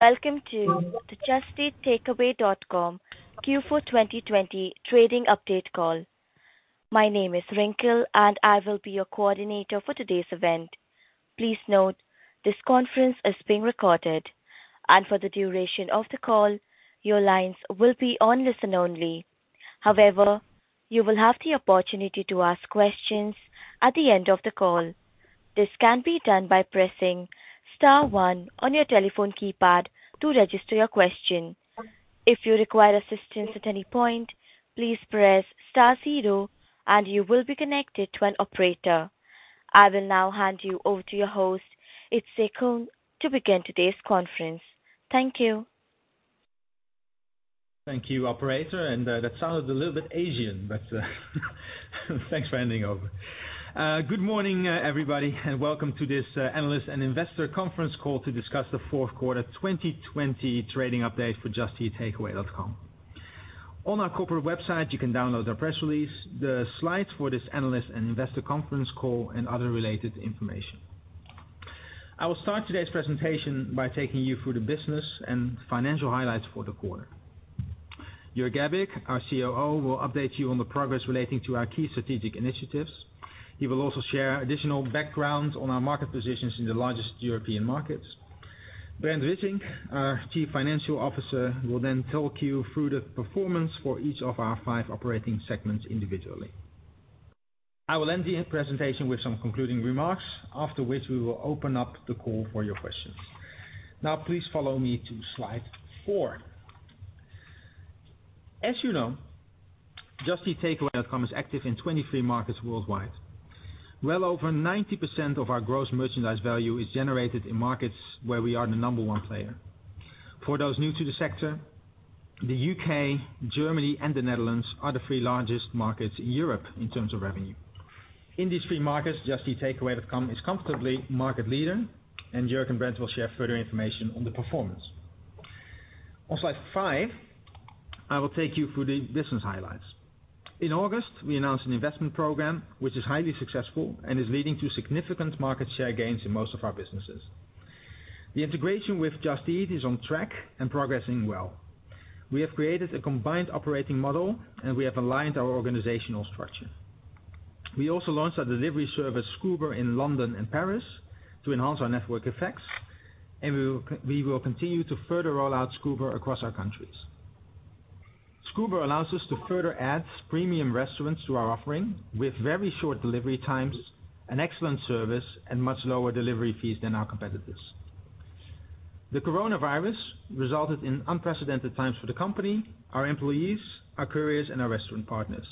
Welcome to the Just Eat Takeaway.com Q4 2020 trading update call. My name is Rinkel, and I will be your coordinator for today's event. Please note, this conference is being recorded, and for the duration of the call, your lines will be on listen only. However, you will have the opportunity to ask questions at the end of the call. This can be done by pressing star one on your telephone keypad to register your question. If you require assistance at any point, please press star zero and you will be connected to an operator. I will now hand you over to your host, Jitse Groen, to begin today's conference. Thank you. Thank you, operator. That sounded a little bit Asian, but thanks for handing over. Good morning, everybody, and welcome to this analyst and investor conference call to discuss the fourth quarter 2020 trading update for Just Eat Takeaway.com. On our corporate website, you can download our press release, the slides for this analyst and investor conference call, and other related information. I will start today's presentation by taking you through the business and financial highlights for the quarter. Jörg Gerbig, our COO, will update you on the progress relating to our key strategic initiatives. He will also share additional background on our market positions in the largest European markets. Brent Wissink, our Chief Financial Officer, will talk you through the performance for each of our five operating segments individually. I will end the presentation with some concluding remarks, after which we will open up the call for your questions. Now please follow me to slide four. As you know, Just Eat Takeaway.com is active in 23 markets worldwide. Well over 90% of our gross merchandise value is generated in markets where we are the number one player. For those new to the sector, the U.K., Germany, and the Netherlands are the three largest markets in Europe in terms of revenue. In these three markets, Just Eat Takeaway.com is comfortably market leader, and Jörg and Brent will share further information on the performance. On slide five, I will take you through the business highlights. In August, we announced an investment program which is highly successful and is leading to significant market share gains in most of our businesses. The integration with Just Eat is on track and progressing well. We have created a combined operating model, and we have aligned our organizational structure. We also launched our delivery service, Scoober, in London and Paris to enhance our network effects, and we will continue to further roll out Scoober across our countries. Scoober allows us to further add premium restaurants to our offering with very short delivery times, an excellent service, and much lower delivery fees than our competitors. The coronavirus resulted in unprecedented times for the company, our employees, our couriers, and our restaurant partners.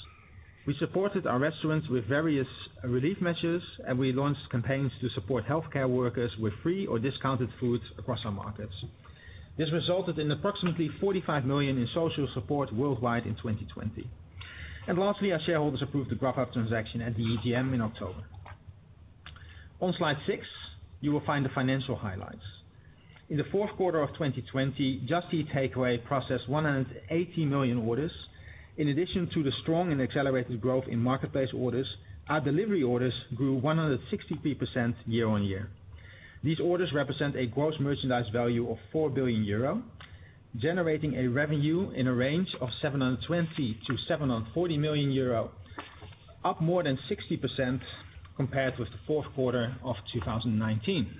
We supported our restaurants with various relief measures, and we launched campaigns to support healthcare workers with free or discounted food across our markets. This resulted in approximately 45 million in social support worldwide in 2020. Lastly, our shareholders approved the Grubhub transaction at the AGM in October. On slide six, you will find the financial highlights. In the fourth quarter of 2020, Just Eat Takeaway processed 180 million orders. In addition to the strong and accelerated growth in marketplace orders, our delivery orders grew 163% year-over-year. These orders represent a gross merchandise value of 4 billion euro, generating a revenue in a range of 720 million-740 million euro, up more than 60% compared with the fourth quarter of 2019.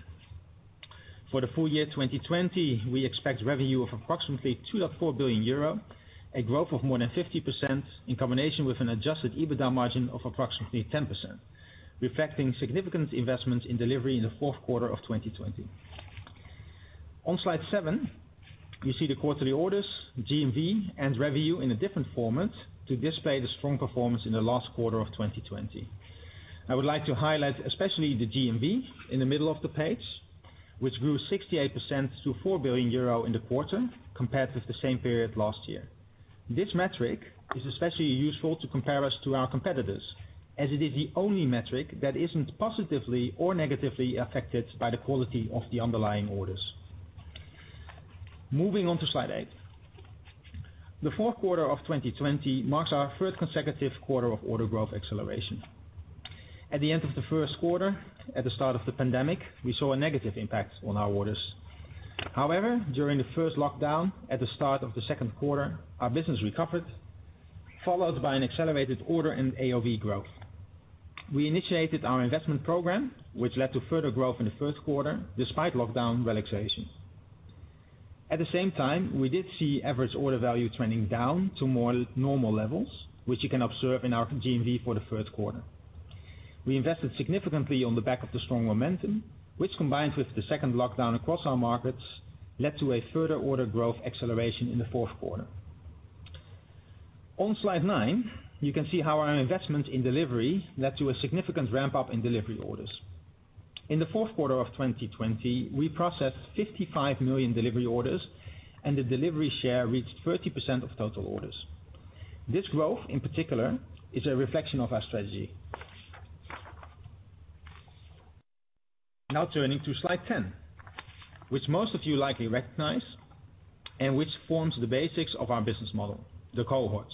For the full year 2020, we expect revenue of approximately 2.4 billion euro, a growth of more than 50% in combination with an adjusted EBITDA margin of approximately 10%, reflecting significant investments in delivery in the fourth quarter of 2020. On slide seven, you see the quarterly orders, GMV, and revenue in a different format to display the strong performance in the last quarter of 2020. I would like to highlight especially the GMV in the middle of the page, which grew 68% to 4 billion euro in the quarter compared with the same period last year. This metric is especially useful to compare us to our competitors, as it is the only metric that isn't positively or negatively affected by the quality of the underlying orders. Moving on to slide eight. The fourth quarter of 2020 marks our third consecutive quarter of order growth acceleration. At the end of the first quarter, at the start of the pandemic, we saw a negative impact on our orders. However, during the first lockdown at the start of the second quarter, our business recovered, followed by an accelerated order and AOV growth. We initiated our investment program, which led to further growth in the first quarter, despite lockdown relaxation. At the same time, we did see average order value trending down to more normal levels, which you can observe in our GMV for the first quarter. We invested significantly on the back of the strong momentum, which, combined with the second lockdown across our markets, led to a further order growth acceleration in the fourth quarter. On slide nine, you can see how our investment in delivery led to a significant ramp-up in delivery orders. In the fourth quarter of 2020, we processed 55 million delivery orders, and the delivery share reached 30% of total orders. This growth, in particular, is a reflection of our strategy. Now turning to slide 10, which most of you likely recognize, and which forms the basics of our business model, the cohorts.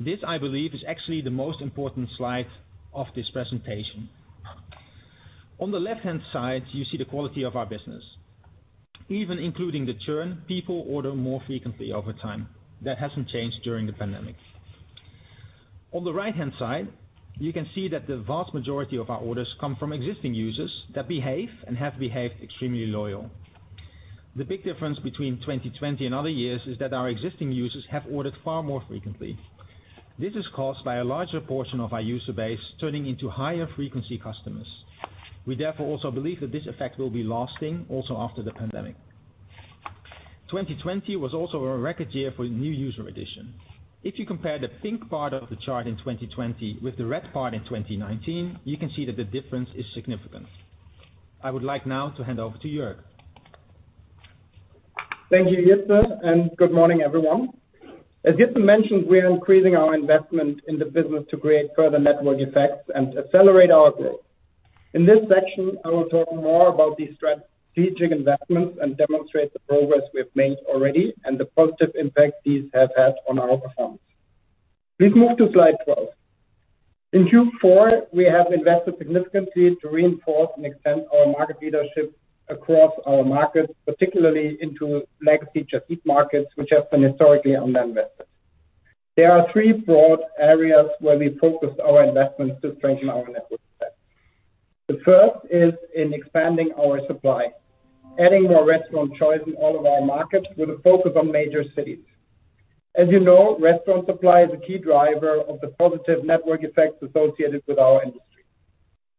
This, I believe, is actually the most important slide of this presentation. On the left-hand side, you see the quality of our business. Even including the churn, people order more frequently over time. That hasn't changed during the pandemic. On the right-hand side, you can see that the vast majority of our orders come from existing users that behave and have behaved extremely loyal. The big difference between 2020 and other years is that our existing users have ordered far more frequently. This is caused by a larger portion of our user base turning into higher frequency customers. We therefore also believe that this effect will be lasting also after the pandemic. 2020 was also a record year for new user addition. If you compare the pink part of the chart in 2020 with the red part in 2019, you can see that the difference is significant. I would like now to hand over to Jörg. Thank you, Jitse. Good morning, everyone. As Jitse mentioned, we are increasing our investment in the business to create further network effects and accelerate our growth. In this section, I will talk more about these strategic investments and demonstrate the progress we have made already and the positive impact these have had on our performance. Please move to slide 12. In Q4, we have invested significantly to reinforce and extend our market leadership across our markets, particularly into legacy Just Eat markets, which have been historically under-invested. There are three broad areas where we focused our investments to strengthen our network effect. The first is in expanding our supply, adding more restaurant choice in all of our markets with a focus on major cities. As you know, restaurant supply is a key driver of the positive network effects associated with our industry.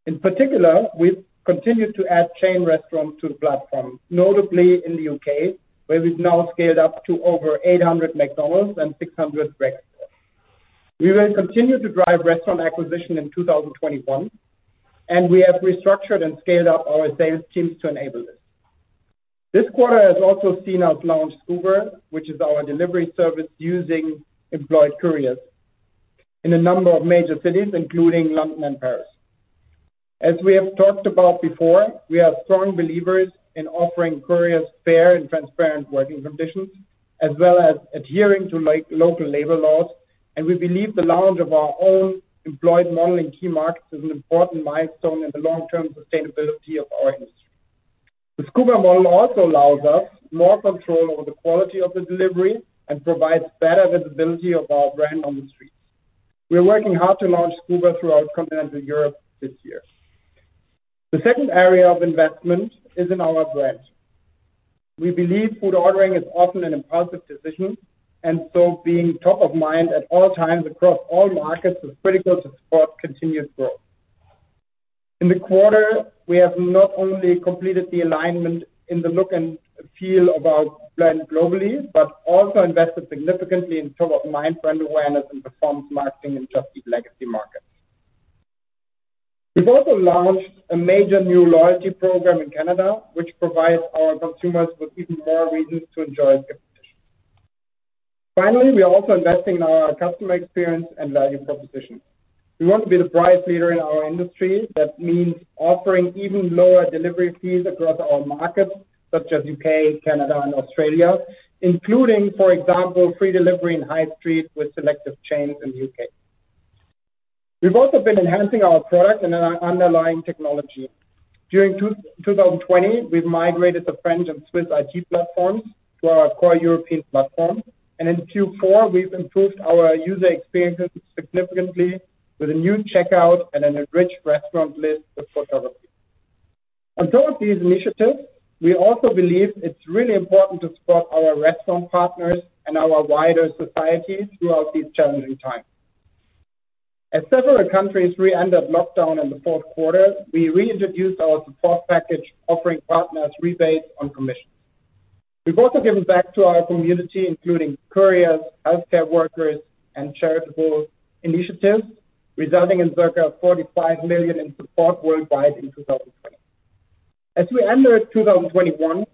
In particular, we've continued to add chain restaurants to the platform, notably in the U.K., where we've now scaled up to over 800 McDonald's and 600 Wetherspoons. We will continue to drive restaurant acquisition in 2021, and we have restructured and scaled up our sales teams to enable this. This quarter has also seen us launch Scoober, which is our delivery service using employed couriers in a number of major cities, including London and Paris. As we have talked about before, we are strong believers in offering couriers fair and transparent working conditions, as well as adhering to local labor laws, and we believe the launch of our own employed model in key markets is an important milestone in the long-term sustainability of our industry. The Scoober model also allows us more control over the quality of the delivery and provides better visibility of our brand on the streets. We are working hard to launch Scoober throughout continental Europe this year. The second area of investment is in our brand. We believe food ordering is often an impulsive decision, being top of mind at all times across all markets is critical to support continued growth. In the quarter, we have not only completed the alignment in the look and feel of our brand globally, but also invested significantly in top of mind brand awareness and performance marketing in Just Eat legacy markets. We've also launched a major new loyalty program in Canada, which provides our consumers with even more reasons to enjoy SkipTheDishes. We are also investing in our customer experience and value proposition. We want to be the price leader in our industry. That means offering even lower delivery fees across our markets, such as U.K., Canada, and Australia, including, for example, free delivery in High Street with selective chains in the U.K. We've also been enhancing our product and our underlying technology. During 2020, we've migrated the French and Swiss IT platforms to our core European platform, and in Q4, we've improved our user experiences significantly with a new checkout and an enriched restaurant list with photography. On top of these initiatives, we also believe it's really important to support our restaurant partners and our wider society throughout these challenging times. As several countries re-entered lockdown in the fourth quarter, we reintroduced our support package offering partners rebates on commissions. We've also given back to our community, including couriers, healthcare workers, and charitable initiatives, resulting in circa 45 million in support worldwide in 2020. As we enter 2021,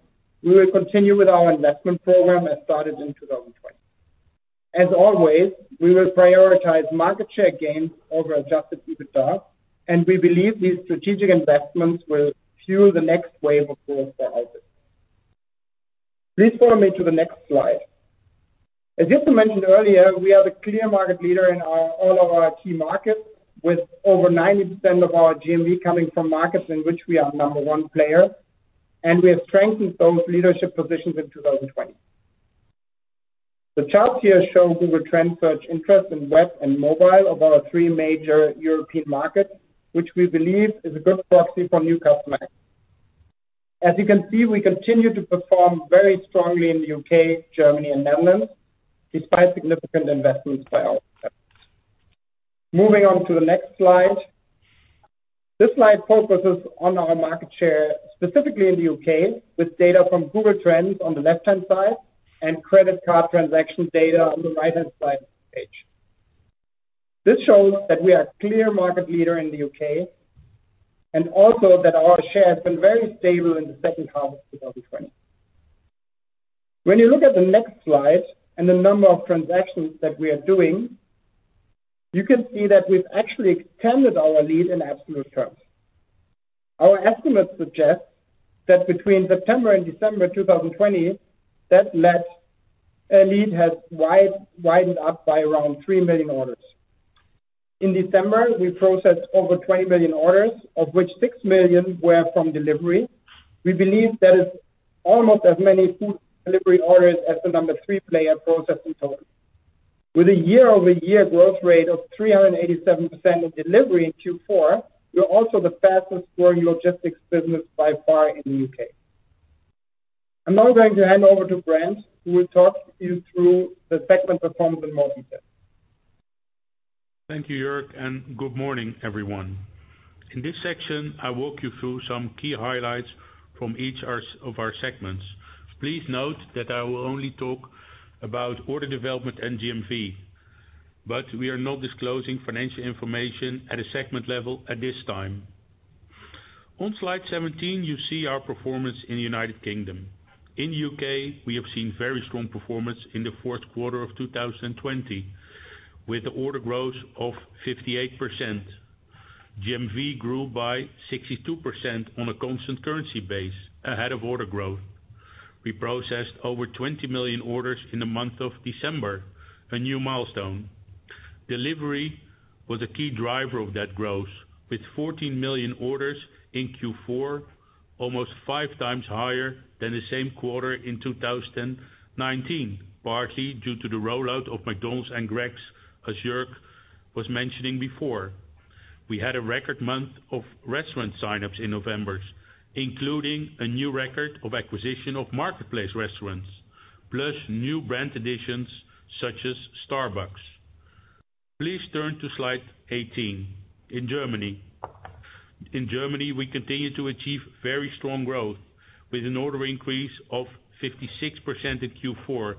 we will continue with our investment program as started in 2020. As always, we will prioritize market share gains over adjusted EBITDA, and we believe these strategic investments will fuel the next wave of growth for Just Eat Takeaway.com. Please follow me to the next slide. As Jitse mentioned earlier, we are the clear market leader in all of our key markets, with over 90% of our GMV coming from markets in which we are number one player, and we have strengthened those leadership positions in 2020. The chart here shows Google Trends search interest in web and mobile of our three major European markets, which we believe is a good proxy for new customer acquisition. As you can see, we continue to perform very strongly in the U.K., Germany, and Netherlands, despite significant investments by our competitors. Moving on to the next slide. This slide focuses on our market share specifically in the U.K. with data from Google Trends on the left-hand side and credit card transaction data on the right-hand side of the page. This shows that we are clear market leader in the U.K. and also that our share has been very stable in the second half of 2020. When you look at the next slide and the number of transactions that we are doing, you can see that we've actually extended our lead in absolute terms. Our estimates suggest that between September and December 2020, that lead has widened up by around 3 million orders. In December, we processed over 20 million orders, of which 6 million were from delivery. We believe that is almost as many food delivery orders as the number three player processed in total. With a year-over-year growth rate of 387% in delivery in Q4, we are also the fastest growing logistics business by far in the U.K. I'm now going to hand over to Brent, who will talk you through the segment performance in more detail. Thank you, Jörg, and good morning, everyone. In this section, I'll walk you through some key highlights from each of our segments. Please note that I will only talk about order development and GMV. We are not disclosing financial information at a segment level at this time. On slide 17, you see our performance in the United Kingdom. In the U.K., we have seen very strong performance in the fourth quarter of 2020, with order growth of 58%. GMV grew by 62% on a constant currency base, ahead of order growth. We processed over 20 million orders in the month of December, a new milestone. Delivery was a key driver of that growth, with 14 million orders in Q4, almost five times higher than the same quarter in 2019, partly due to the rollout of McDonald's and Greggs, as Jörg was mentioning before. We had a record month of restaurant sign-ups in November, including a new record of acquisition of marketplace restaurants, plus new brand additions such as Starbucks. Please turn to slide 18. In Germany, we continue to achieve very strong growth, with an order increase of 56% in Q4,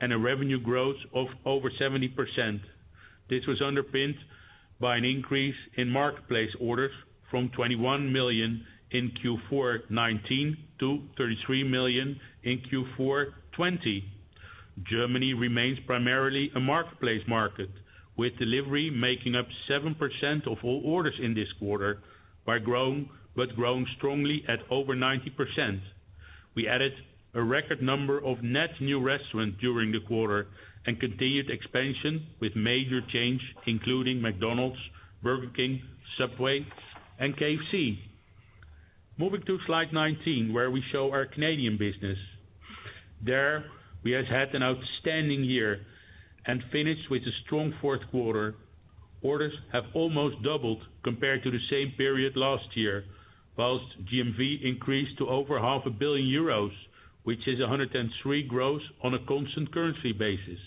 and a revenue growth of over 70%. This was underpinned by an increase in marketplace orders from 21 million in Q4 2019 to 33 million in Q4 2020. Germany remains primarily a marketplace market, with delivery making up 7% of all orders in this quarter, but growing strongly at over 90%. We added a record number of net new restaurants during the quarter, and continued expansion with major change, including McDonald's, Burger King, Subway, and KFC. Moving to slide 19, where we show our Canadian business. There, we have had an outstanding year and finished with a strong fourth quarter. Orders have almost doubled compared to the same period last year, whilst GMV increased to over half a billion EUR, which is 103% growth on a constant currency basis.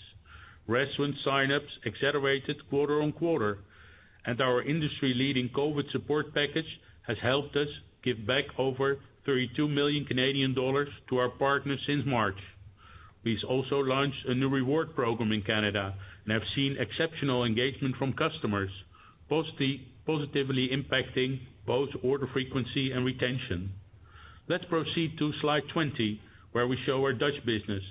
Restaurant sign-ups accelerated quarter on quarter. Our industry-leading COVID support package has helped us give back over 32 million Canadian dollars to our partners since March. We've also launched a new reward program in Canada and have seen exceptional engagement from customers, positively impacting both order frequency and retention. Let's proceed to slide 20, where we show our Dutch business.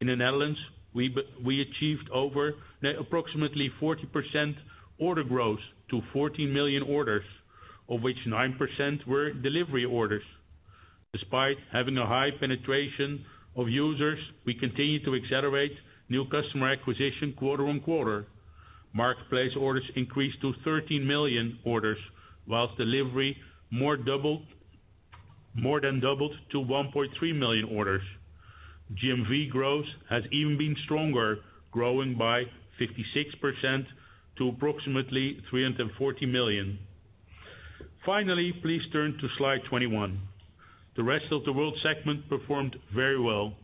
In the Netherlands, we achieved over approximately 40% order growth to 14 million orders, of which 9% were delivery orders. Despite having a high penetration of users, we continue to accelerate new customer acquisition quarter on quarter. Marketplace orders increased to 13 million orders, whilst delivery more than doubled to 1.3 million orders. GMV growth has even been stronger, growing by 56% to approximately 340 million. Finally, please turn to slide 21. The rest of the world segment performed very well.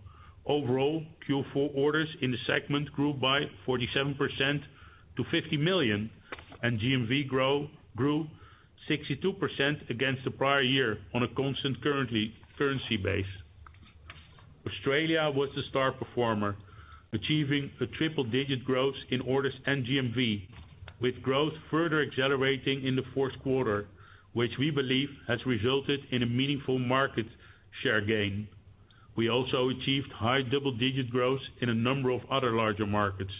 Overall, Q4 orders in the segment grew by 47% to 50 million, and GMV grew 62% against the prior year on a constant currency base. Australia was the star performer, achieving a triple-digit growth in orders and GMV, with growth further accelerating in the fourth quarter, which we believe has resulted in a meaningful market share gain. We also achieved high double-digit growth in a number of other larger markets,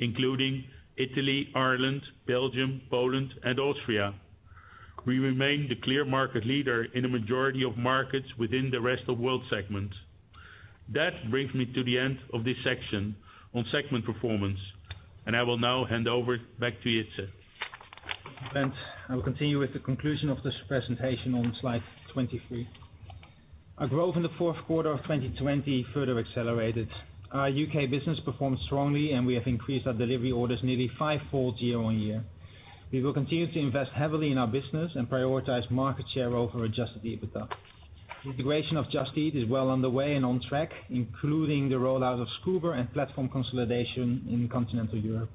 including Italy, Ireland, Belgium, Poland, and Austria. We remain the clear market leader in a majority of markets within the rest of world segment. That brings me to the end of this section on segment performance, and I will now hand over back to Jitse. I will continue with the conclusion of this presentation on slide 23. Our growth in the fourth quarter of 2020 further accelerated. Our U.K. business performed strongly, and we have increased our delivery orders nearly fivefold year-on-year. We will continue to invest heavily in our business and prioritize market share over adjusted EBITDA. The integration of Just Eat is well underway and on track, including the rollout of Scoober and platform consolidation in continental Europe.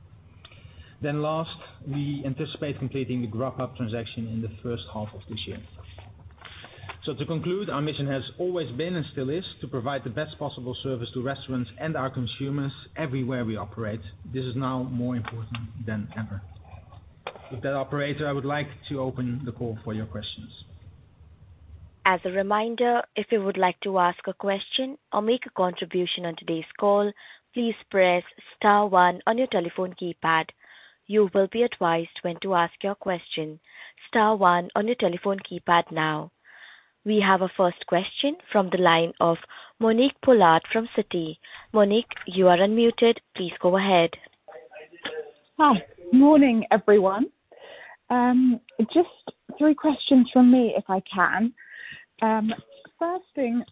Last, we anticipate completing the Grubhub transaction in the first half of this year. To conclude, our mission has always been, and still is, to provide the best possible service to restaurants and our consumers everywhere we operate. This is now more important than ever. With that, operator, I would like to open the call for your questions. As a reminder, if you would like to ask a question or make a contribution on today's call, please press star one on your telephone keypad. You will be advised when to ask your question. Star one on your telephone keypad now. We have a first question from the line of Monique Pollard from Citi. Monique, you are unmuted. Please go ahead. Hi. Morning, everyone. Just three questions from me, if I can. First thing,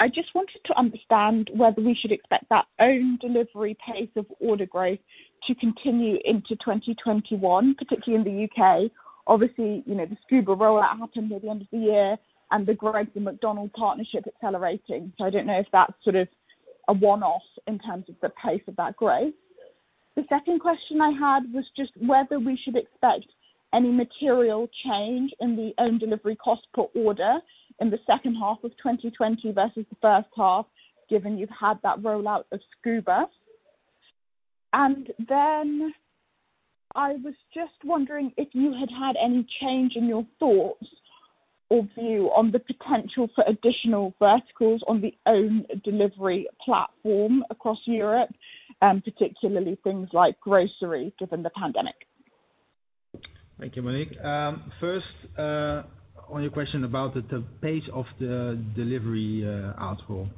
I just wanted to understand whether we should expect that own delivery pace of order growth to continue into 2021, particularly in the U.K. Obviously, the Scoober rollout happened at the end of the year, and the great McDonald's partnership accelerating. I don't know if that's sort of a one-off in terms of the pace of that growth. The second question I had was just whether we should expect any material change in the own delivery cost per order in the second half of 2020 versus the first half, given you've had that rollout of Scoober. I was just wondering if you had had any change in your thoughts or view on the potential for additional verticals on the own delivery platform across Europe, particularly things like grocery, given the pandemic. Thank you, Monique. First, on your question about the pace of the delivery rollout.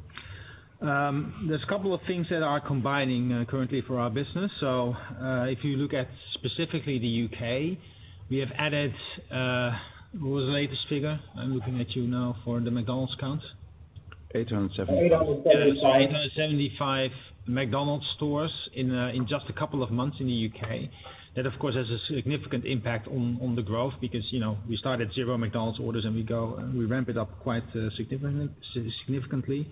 There's a couple of things that are combining currently for our business. If you look at specifically the U.K., we have added, what was the latest figure? I'm looking at you now for the McDonald's count. 875. 875 McDonald's stores in just a couple of months in the U.K. That, of course, has a significant impact on the growth because we started zero McDonald's orders, and we ramp it up quite significantly.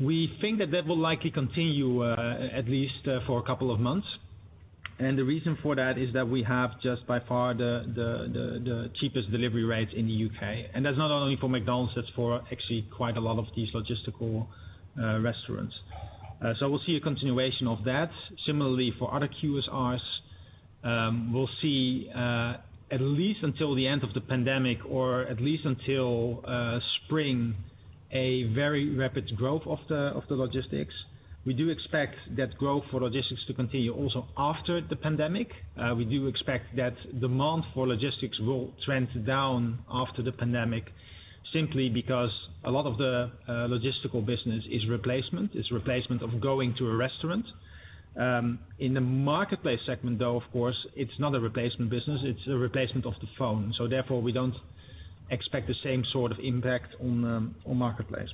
We think that that will likely continue, at least for a couple of months. The reason for that is that we have just by far the cheapest delivery rates in the U.K. That's not only for McDonald's, that's for actually quite a lot of these logistical restaurants. We'll see a continuation of that. Similarly, for other QSRs, we'll see, at least until the end of the pandemic or at least until spring, a very rapid growth of the logistics. We do expect that growth for logistics to continue also after the pandemic. We do expect that demand for logistics will trend down after the pandemic, simply because a lot of the logistical business is replacement, is replacement of going to a restaurant. In the marketplace segment, though, of course, it's not a replacement business, it's a replacement of the phone. Therefore, we don't expect the same sort of impact on the marketplace.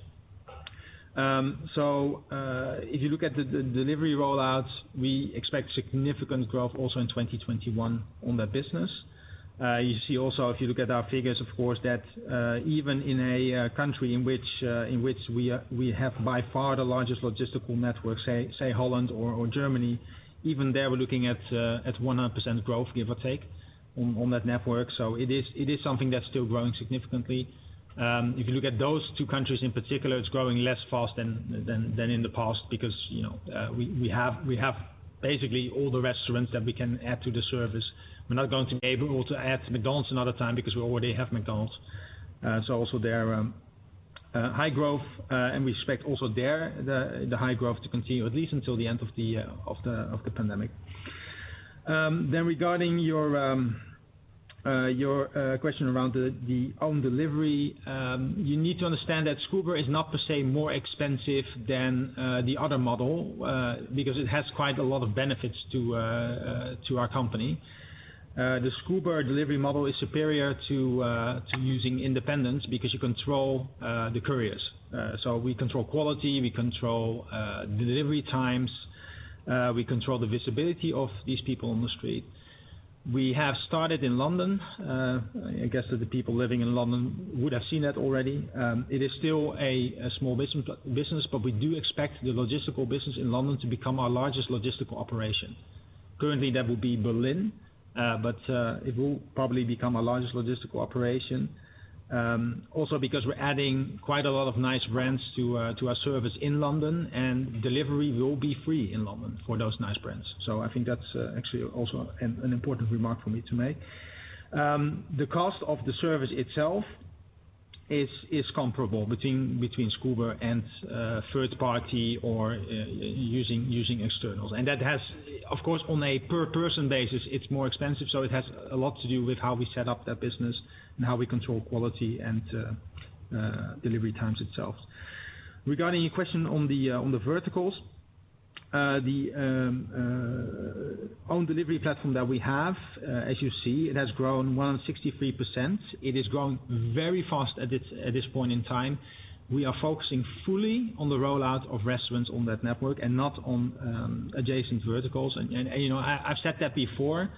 If you look at the delivery rollouts, we expect significant growth also in 2021 on that business. You see also, if you look at our figures, of course, that even in a country in which we have by far the largest logistical network, say Holland or Germany, even there, we're looking at 100% growth, give or take, on that network. It is something that's still growing significantly. If you look at those two countries in particular, it's growing less fast than in the past because we have basically all the restaurants that we can add to the service. We're not going to be able to add McDonald's another time because we already have McDonald's. Also there, high growth, and we expect also there, the high growth to continue at least until the end of the pandemic. Regarding your question around the own delivery, you need to understand that Scoober is not per se more expensive than the other model, because it has quite a lot of benefits to our company. The Scoober delivery model is superior to using independents because you control the couriers. We control quality, we control delivery times, we control the visibility of these people on the street. We have started in London. I guess that the people living in London would have seen that already. It is still a small business, but we do expect the logistical business in London to become our largest logistical operation. Currently, that would be Berlin, but it will probably become our largest logistical operation. Because we're adding quite a lot of nice brands to our service in London, and delivery will be free in London for those nice brands. I think that's actually also an important remark for me to make. The cost of the service itself is comparable between Scoober and third party or using externals. That has, of course, on a per person basis, it's more expensive, so it has a lot to do with how we set up that business and how we control quality and delivery times itself. Regarding your question on the verticals, the own delivery platform that we have, as you see, it has grown 163%. It is growing very fast at this point in time. We are focusing fully on the rollout of restaurants on that network and not on adjacent verticals. I've said that before.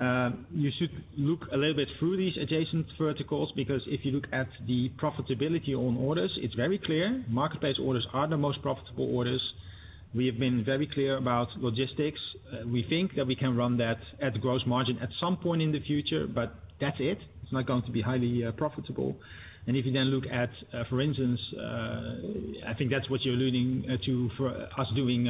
You should look a little bit through these adjacent verticals, because if you look at the profitability on orders, it's very clear. Marketplace orders are the most profitable orders. We have been very clear about logistics. We think that we can run that at gross margin at some point in the future, but that's it. It's not going to be highly profitable. If you then look at, for instance, I think that's what you're alluding to for us doing,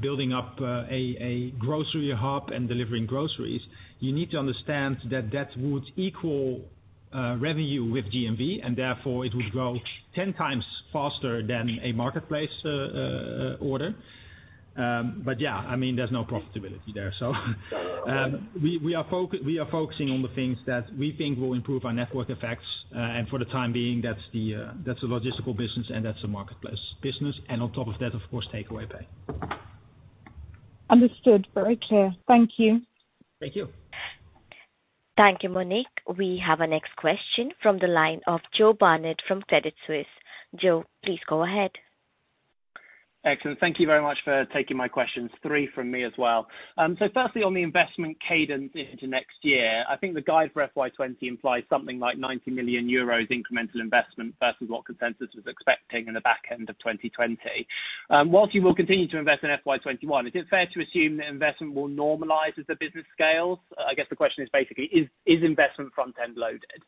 building up a grocery hub and delivering groceries. You need to understand that that would equal revenue with GMV, therefore it would grow 10 times faster than a marketplace order. Yeah, there's no profitability there. We are focusing on the things that we think will improve our network effects. For the time being, that's the logistical business and that's the marketplace business. On top of that, of course, Takeaway Pay. Understood. Very clear. Thank you. Thank you. Thank you, Monique. We have our next question from the line of Joe Barnett from Credit Suisse. Joe, please go ahead. Excellent. Thank you very much for taking my questions. Three from me as well. Firstly, on the investment cadence into next year, I think the guide for FY 2020 implies something like 90 million euros incremental investment versus what consensus was expecting in the back end of 2020. Whilst you will continue to invest in FY 2021, is it fair to assume that investment will normalize as the business scales? I guess the question is basically, is investment front-end loaded?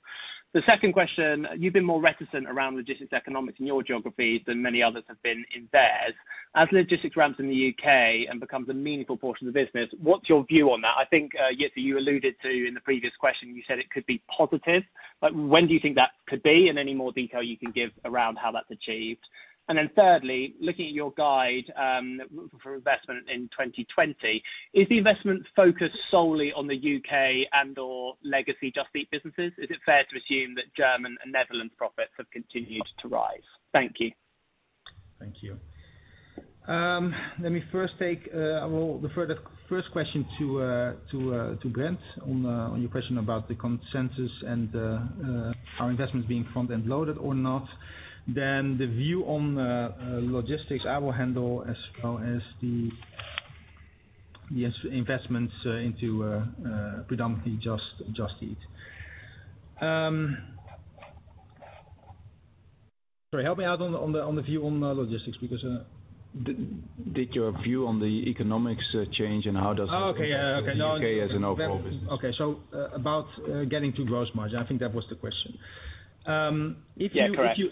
The second question, you've been more reticent around logistics economics in your geographies than many others have been in theirs. As logistics ramps in the U.K. and becomes a meaningful portion of the business, what's your view on that? I think, Jitse, you alluded to in the previous question, you said it could be positive, but when do you think that could be? Any more detail you can give around how that's achieved. Thirdly, looking at your guide for investment in 2020, is the investment focused solely on the U.K. and/or legacy Just Eat businesses? Is it fair to assume that German and Netherlands profits have continued to rise? Thank you. Thank you. Let me first take the first question to Brent on your question about the consensus and our investments being front-end loaded or not. The view on logistics I will handle, as well as the investments into predominantly Just Eat. Sorry, help me out on the view on logistics. Did your view on the economics change? Okay, yeah the U.K. as an overall business? Okay, about getting to gross margin, I think that was the question. Yeah, correct. If you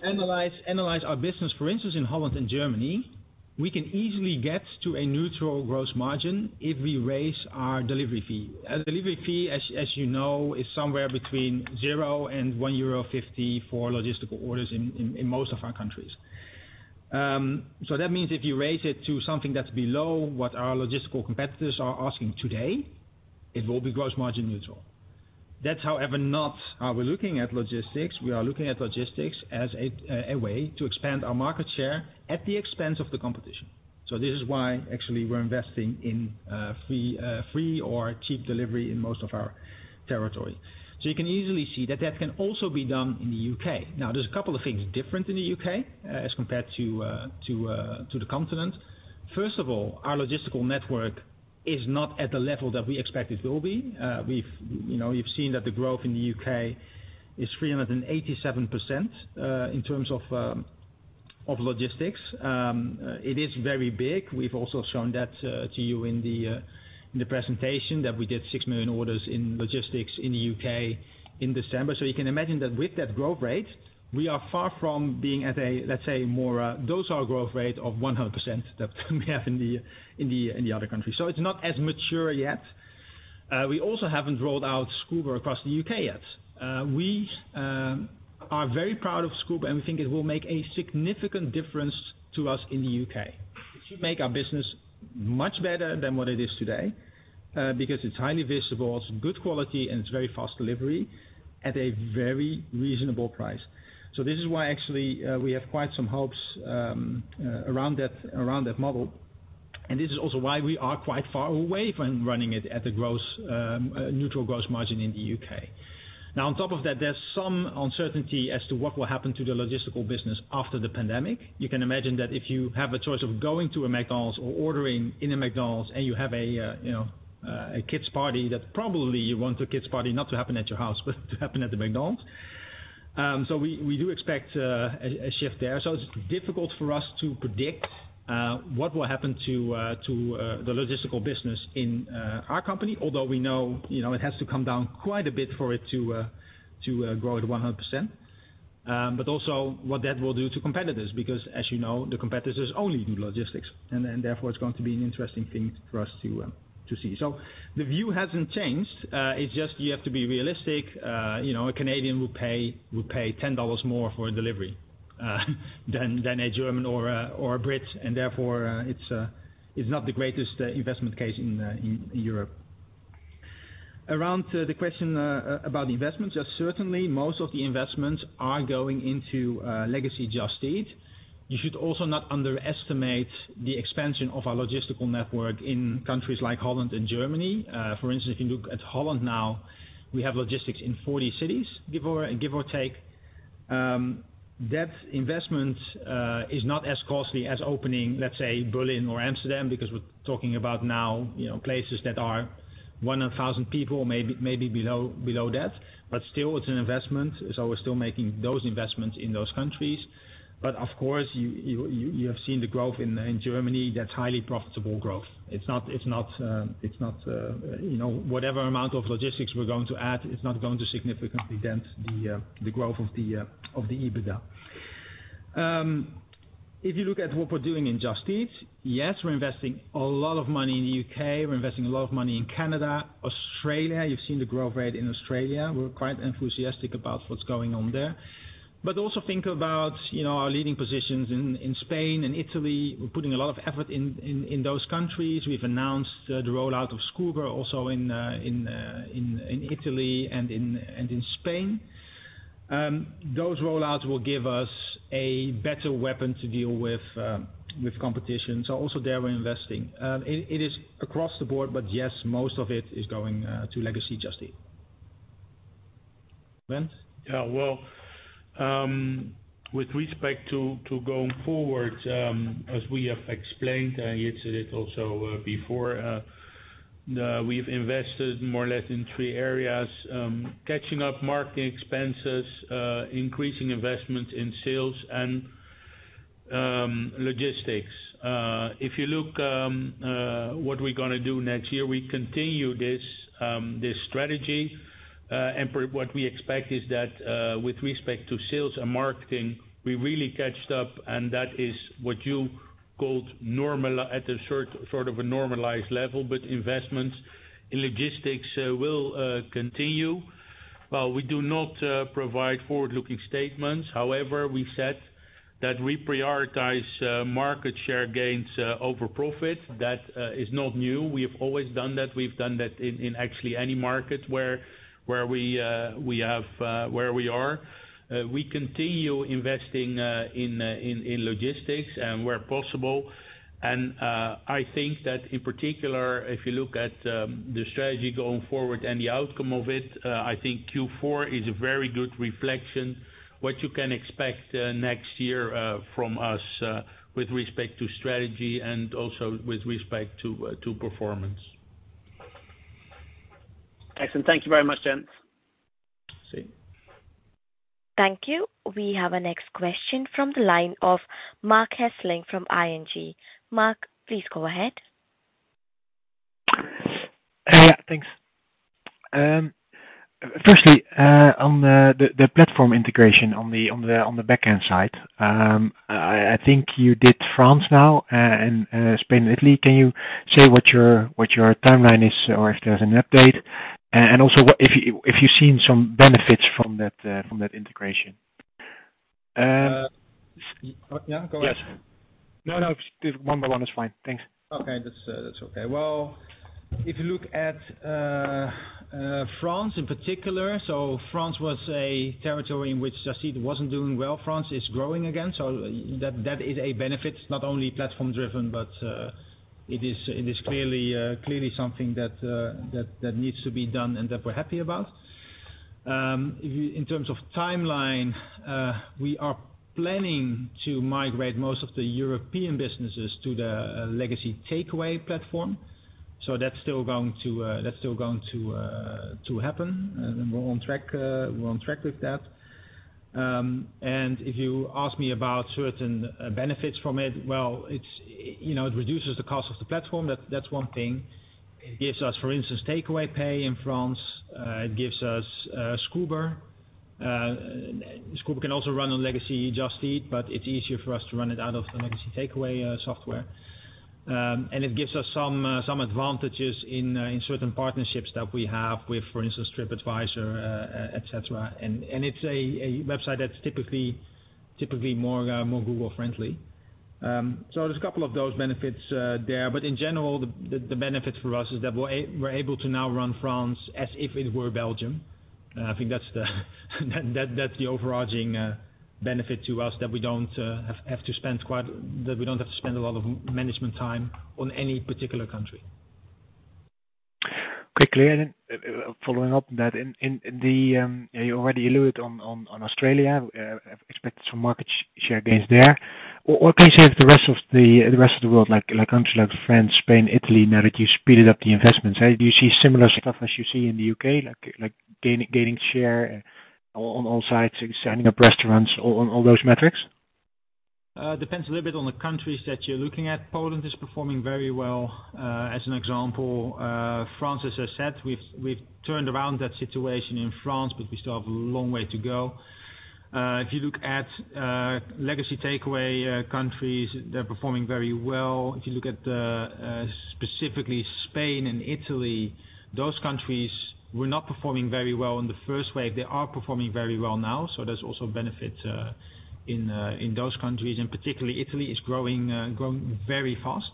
analyze our business, for instance, in Holland and Germany, we can easily get to a neutral gross margin if we raise our delivery fee. Our delivery fee, as you know, is somewhere between 0 and €1.50 for logistical orders in most of our countries. That means if you raise it to something that's below what our logistical competitors are asking today, it will be gross margin neutral. That's however not how we're looking at logistics. We are looking at logistics as a way to expand our market share at the expense of the competition. This is why actually we're investing in free or cheap delivery in most of our territory. You can easily see that that can also be done in the U.K. Now, there's a couple of things different in the U.K. as compared to the continent. First of all, our logistical network is not at the level that we expect it will be. You've seen that the growth in the U.K. is 387% in terms of logistics. It is very big. We've also shown that to you in the presentation that we did 6 million orders in logistics in the U.K. in December. You can imagine that with that growth rate, we are far from being at a, let's say, more docile growth rate of 100% that we have in the other countries. It's not as mature yet. We also haven't rolled out Scoober across the U.K. yet. We are very proud of Scoober, and we think it will make a significant difference to us in the U.K. It should make our business much better than what it is today, because it's highly visible, it's good quality, and it's very fast delivery at a very reasonable price. This is why actually we have quite some hopes around that model, and this is also why we are quite far away from running it at the neutral gross margin in the U.K. On top of that, there's some uncertainty as to what will happen to the logistical business after the pandemic. You can imagine that if you have a choice of going to a McDonald's or ordering in a McDonald's and you have a kids party, that probably you want the kids party not to happen at your house, but to happen at the McDonald's. We do expect a shift there. It's difficult for us to predict what will happen to the logistical business in our company, although we know it has to come down quite a bit for it to grow at 100%. Also what that will do to competitors, because as you know, the competitors only do logistics, and then therefore it's going to be an interesting thing for us to see. The view hasn't changed. It's just you have to be realistic. A Canadian will pay 10 dollars more for a delivery than a German or a Brit, and therefore it's not the greatest investment case in Europe. Around the question about the investments, just certainly most of the investments are going into legacy Just Eat. You should also not underestimate the expansion of our logistical network in countries like Holland and Germany. For instance, if you look at Holland now, we have logistics in 40 cities, give or take. That investment is not as costly as opening, let's say, Berlin or Amsterdam, because we're talking about now places that are 1,000 people, maybe below that. Still it's an investment, so we're still making those investments in those countries. Of course, you have seen the growth in Germany, that's highly profitable growth. Whatever amount of logistics we're going to add is not going to significantly dent the growth of the EBITDA. If you look at what we're doing in Just Eat, yes, we're investing a lot of money in the U.K. We're investing a lot of money in Canada, Australia. You've seen the growth rate in Australia. We're quite enthusiastic about what's going on there. Also think about our leading positions in Spain and Italy. We're putting a lot of effort in those countries. We've announced the rollout of Scoober also in Italy and in Spain. Those rollouts will give us a better weapon to deal with competition. Also there we're investing. It is across the board, but yes, most of it is going to legacy Just Eat. Brent? Yeah. With respect to going forward, as we have explained, and you said it also before, we've invested more or less in three areas, catching up marketing expenses, increasing investment in sales, and logistics. If you look what we're going to do next year, we continue this strategy. What we expect is that, with respect to sales and marketing, we really catched up, and that is what you called at a sort of a normalized level, but investments in logistics will continue. While we do not provide forward-looking statements, however, we said that we prioritize market share gains over profit. That is not new. We have always done that. We've done that in actually any market where we are. We continue investing in logistics and where possible, and I think that in particular, if you look at the strategy going forward and the outcome of it, I think Q4 is a very good reflection. What you can expect next year from us with respect to strategy and also with respect to performance. Excellent. Thank you very much, gents. See. Thank you. We have our next question from the line of Marc Hesselink from ING. Marc, please go ahead. Yeah, thanks. Firstly, on the platform integration on the back-end side, I think you did France now and Spain and Italy. Can you say what your timeline is, or if there's an update? Also if you've seen some benefits from that integration. Yeah, go ahead. No, no. One by one is fine. Thanks. If you look at France in particular, France was a territory in which Just Eat wasn't doing well. France is growing again, that is a benefit, not only platform driven, but it is clearly something that needs to be done and that we're happy about. In terms of timeline, we are planning to migrate most of the European businesses to the legacy Takeaway platform. That's still going to happen. We're on track with that. If you ask me about certain benefits from it reduces the cost of the platform, that's one thing. It gives us, for instance, Takeaway Pay in France. It gives us Scoober. Scoober can also run on legacy Just Eat, but it's easier for us to run it out of the legacy Takeaway software. It gives us some advantages in certain partnerships that we have with, for instance, TripAdvisor, et cetera. It's a website that's typically more Google friendly. There's a couple of those benefits there. In general, the benefit for us is that we're able to now run France as if it were Belgium. I think that's the overarching benefit to us that we don't have to spend a lot of management time on any particular country. Quickly, following up on that, you already alluded on Australia, expect some market share gains there. What can you say of the rest of the world, like countries like France, Spain, Italy, now that you've speeded up the investments? Do you see similar stuff as you see in the U.K., like gaining share on all sides, signing up restaurants, on all those metrics? Depends a little bit on the countries that you're looking at. Poland is performing very well, as an example. France, as I said, we've turned around that situation in France, but we still have a long way to go. If you look at legacy Takeaway countries, they're performing very well. If you look at specifically Spain and Italy, those countries were not performing very well in the first wave. They are performing very well now, so there's also benefit in those countries, and particularly Italy is growing very fast.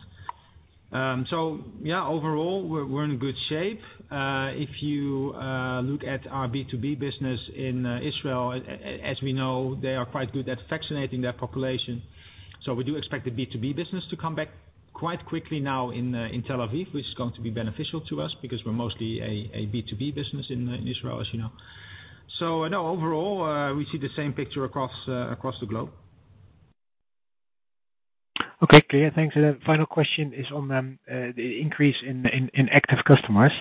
Yeah, overall, we're in good shape. If you look at our B2B business in Israel, as we know, they are quite good at vaccinating their population. We do expect the B2B business to come back quite quickly now in Tel Aviv, which is going to be beneficial to us because we're mostly a B2B business in Israel, as you know. Overall, we see the same picture across the globe. Okay. Clear. Thanks. Final question is on the increase in active customers.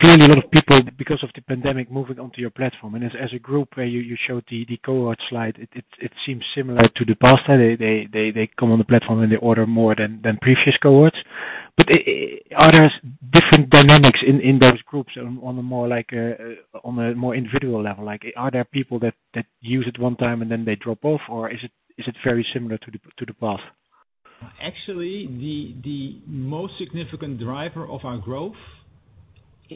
Clearly a lot of people, because of the pandemic, moving onto your platform. As a group, you showed the cohort slide. It seems similar to the past. They come on the platform, and they order more than previous cohorts. Are there different dynamics in those groups on a more individual level? Are there people that use it one time and then they drop off? Is it very similar to the path? Actually, the most significant driver of our growth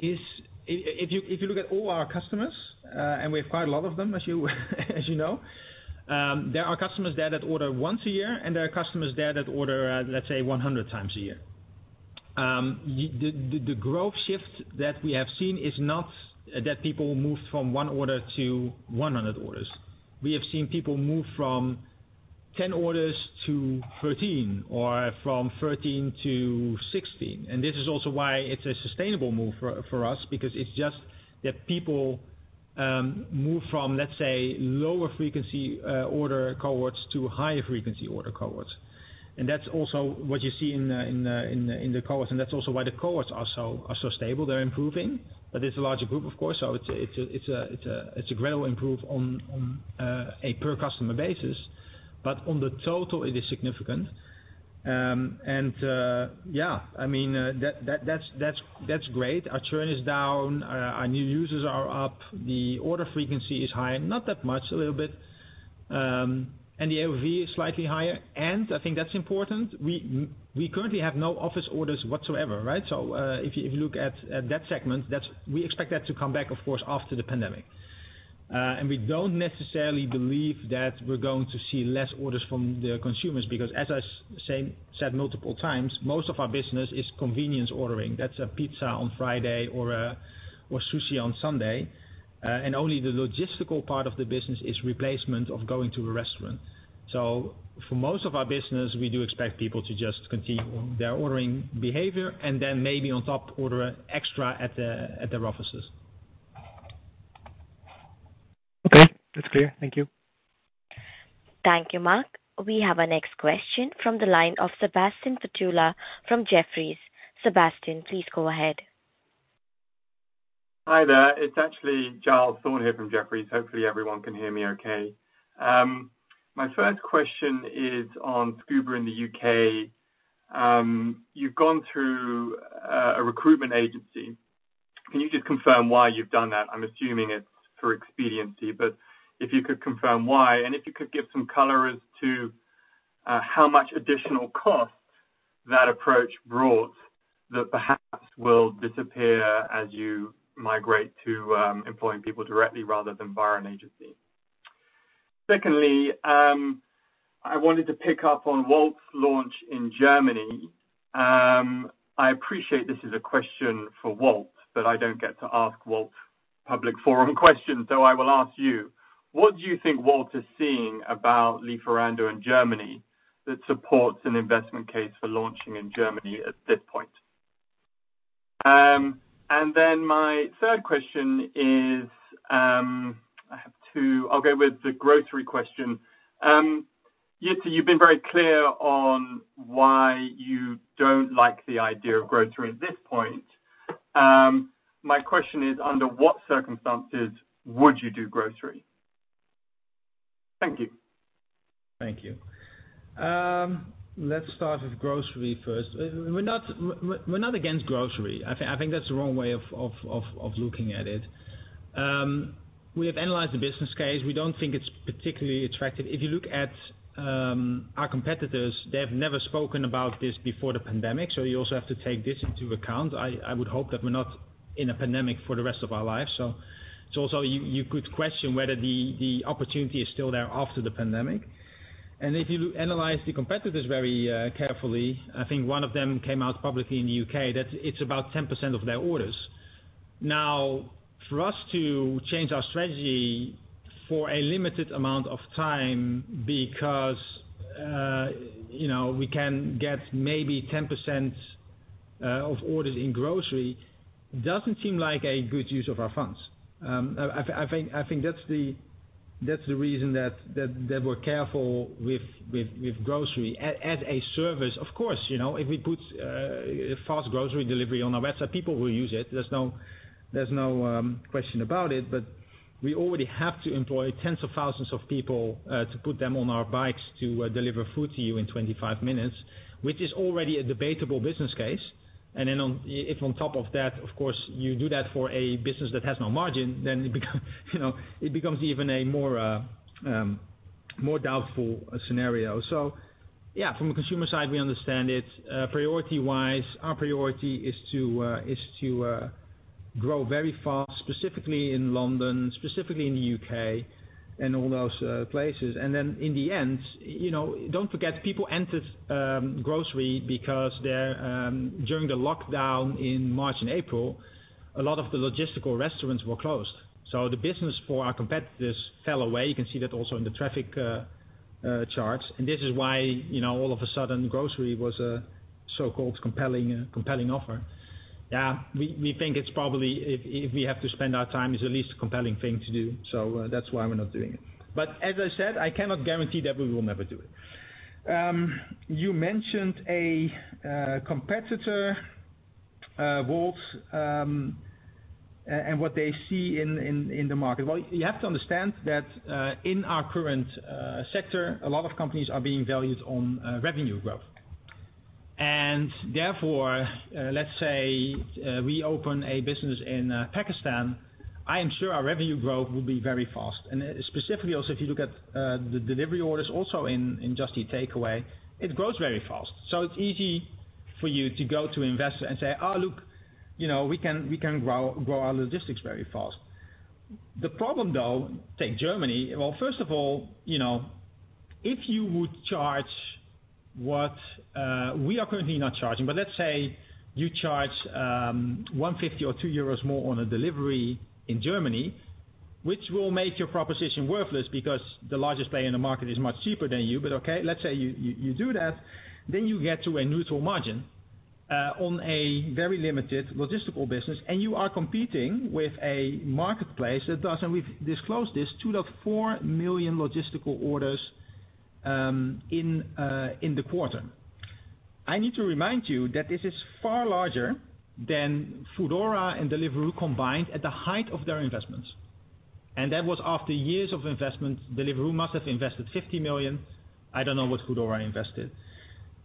is, if you look at all our customers, and we have quite a lot of them, as you know. There are customers there that order once a year, and there are customers there that order, let's say, 100 times a year. The growth shift that we have seen is not that people moved from one order to 100 orders. We have seen people move from 10 orders to 13, or from 13 to 16. This is also why it's a sustainable move for us, because it's just that people move from, let's say, lower frequency order cohorts to higher frequency order cohorts. That's also what you see in the cohorts, and that's also why the cohorts are so stable. They're improving, but it's a larger group, of course, so it's a gradual improve on a per customer basis. On the total, it is significant. Yeah, that's great. Our churn is down. Our new users are up. The order frequency is high, not that much, a little bit. The AOV is slightly higher. I think that's important, we currently have no office orders whatsoever. If you look at that segment, we expect that to come back, of course, after the pandemic. We don't necessarily believe that we're going to see less orders from the consumers because, as I said multiple times, most of our business is convenience ordering. That's a pizza on Friday or sushi on Sunday. Only the logistical part of the business is replacement of going to a restaurant. For most of our business, we do expect people to just continue their ordering behavior and then maybe on top order extra at their offices. Okay. That's clear. Thank you. Thank you, Marc. We have our next question from the line of Sebastian Patulea from Jefferies. Sebastian, please go ahead. Hi there. It's actually Giles Thorne here from Jefferies. Hopefully, everyone can hear me okay. My first question is on Scoober in the U.K. You've gone through a recruitment agency. Can you just confirm why you've done that? I'm assuming it's for expediency, but if you could confirm why, and if you could give some color as to how much additional cost that approach brought that perhaps will disappear as you migrate to employing people directly rather than via an agency. Secondly, I wanted to pick up on Wolt's launch in Germany. I appreciate this is a question for Wolt, but I don't get to ask Wolt public forum questions, so I will ask you. What do you think Wolt is seeing about Lieferando in Germany that supports an investment case for launching in Germany at this point? My third question is, I have two. I'll go with the grocery question. Jitse, you've been very clear on why you don't like the idea of grocery at this point. My question is, under what circumstances would you do grocery? Thank you. Thank you. Let's start with grocery first. We're not against grocery. I think that's the wrong way of looking at it. We have analyzed the business case. We don't think it's particularly attractive. If you look at our competitors, they have never spoken about this before the pandemic, so you also have to take this into account. I would hope that we're not in a pandemic for the rest of our lives, so, you could question whether the opportunity is still there after the pandemic. If you analyze the competitors very carefully, I think one of them came out publicly in the U.K. that it's about 10% of their orders. Now, for us to change our strategy for a limited amount of time because we can get maybe 10% of orders in grocery, doesn't seem like a good use of our funds. I think that's the reason that we're careful with grocery. As a service, of course, if we put fast grocery delivery on our website, people will use it. There's no question about it, but we already have to employ tens of thousands of people to put them on our bikes to deliver food to you in 25 minutes, which is already a debatable business case. If on top of that, of course, you do that for a business that has no margin, then it becomes even a more doubtful scenario. Yeah, from a consumer side, we understand it. Priority wise, our priority is to grow very fast, specifically in London, specifically in the U.K., and all those places. In the end, don't forget, people entered grocery because during the lockdown in March and April, a lot of the logistical restaurants were closed. The business for our competitors fell away. You can see that also in the traffic charts. This is why all of a sudden, grocery was a so-called compelling offer. Yeah, we think it's probably, if we have to spend our time, it's the least compelling thing to do. That's why we're not doing it. As I said, I cannot guarantee that we will never do it. You mentioned a competitor Wolt and what they see in the market. Well, you have to understand that in our current sector, a lot of companies are being valued on revenue growth. Let's say we open a business in Pakistan, I am sure our revenue growth will be very fast. Specifically also, if you look at the delivery orders also in Just Eat Takeaway, it grows very fast. It's easy for you to go to investor and say, "Oh, look, we can grow our logistics very fast." The problem though, take Germany. First of all, if you would charge what we are currently not charging, but let's say you charge 150 or 2 euros more on a delivery in Germany, which will make your proposition worthless because the largest player in the market is much cheaper than you, but okay, let's say you do that, then you get to a neutral margin on a very limited logistical business, and you are competing with a marketplace that does, and we've disclosed this, 2.4 million logistical orders in the quarter. I need to remind you that this is far larger than Foodora and Deliveroo combined at the height of their investments. That was after years of investments. Deliveroo must have invested 50 million. I don't know what Foodora invested.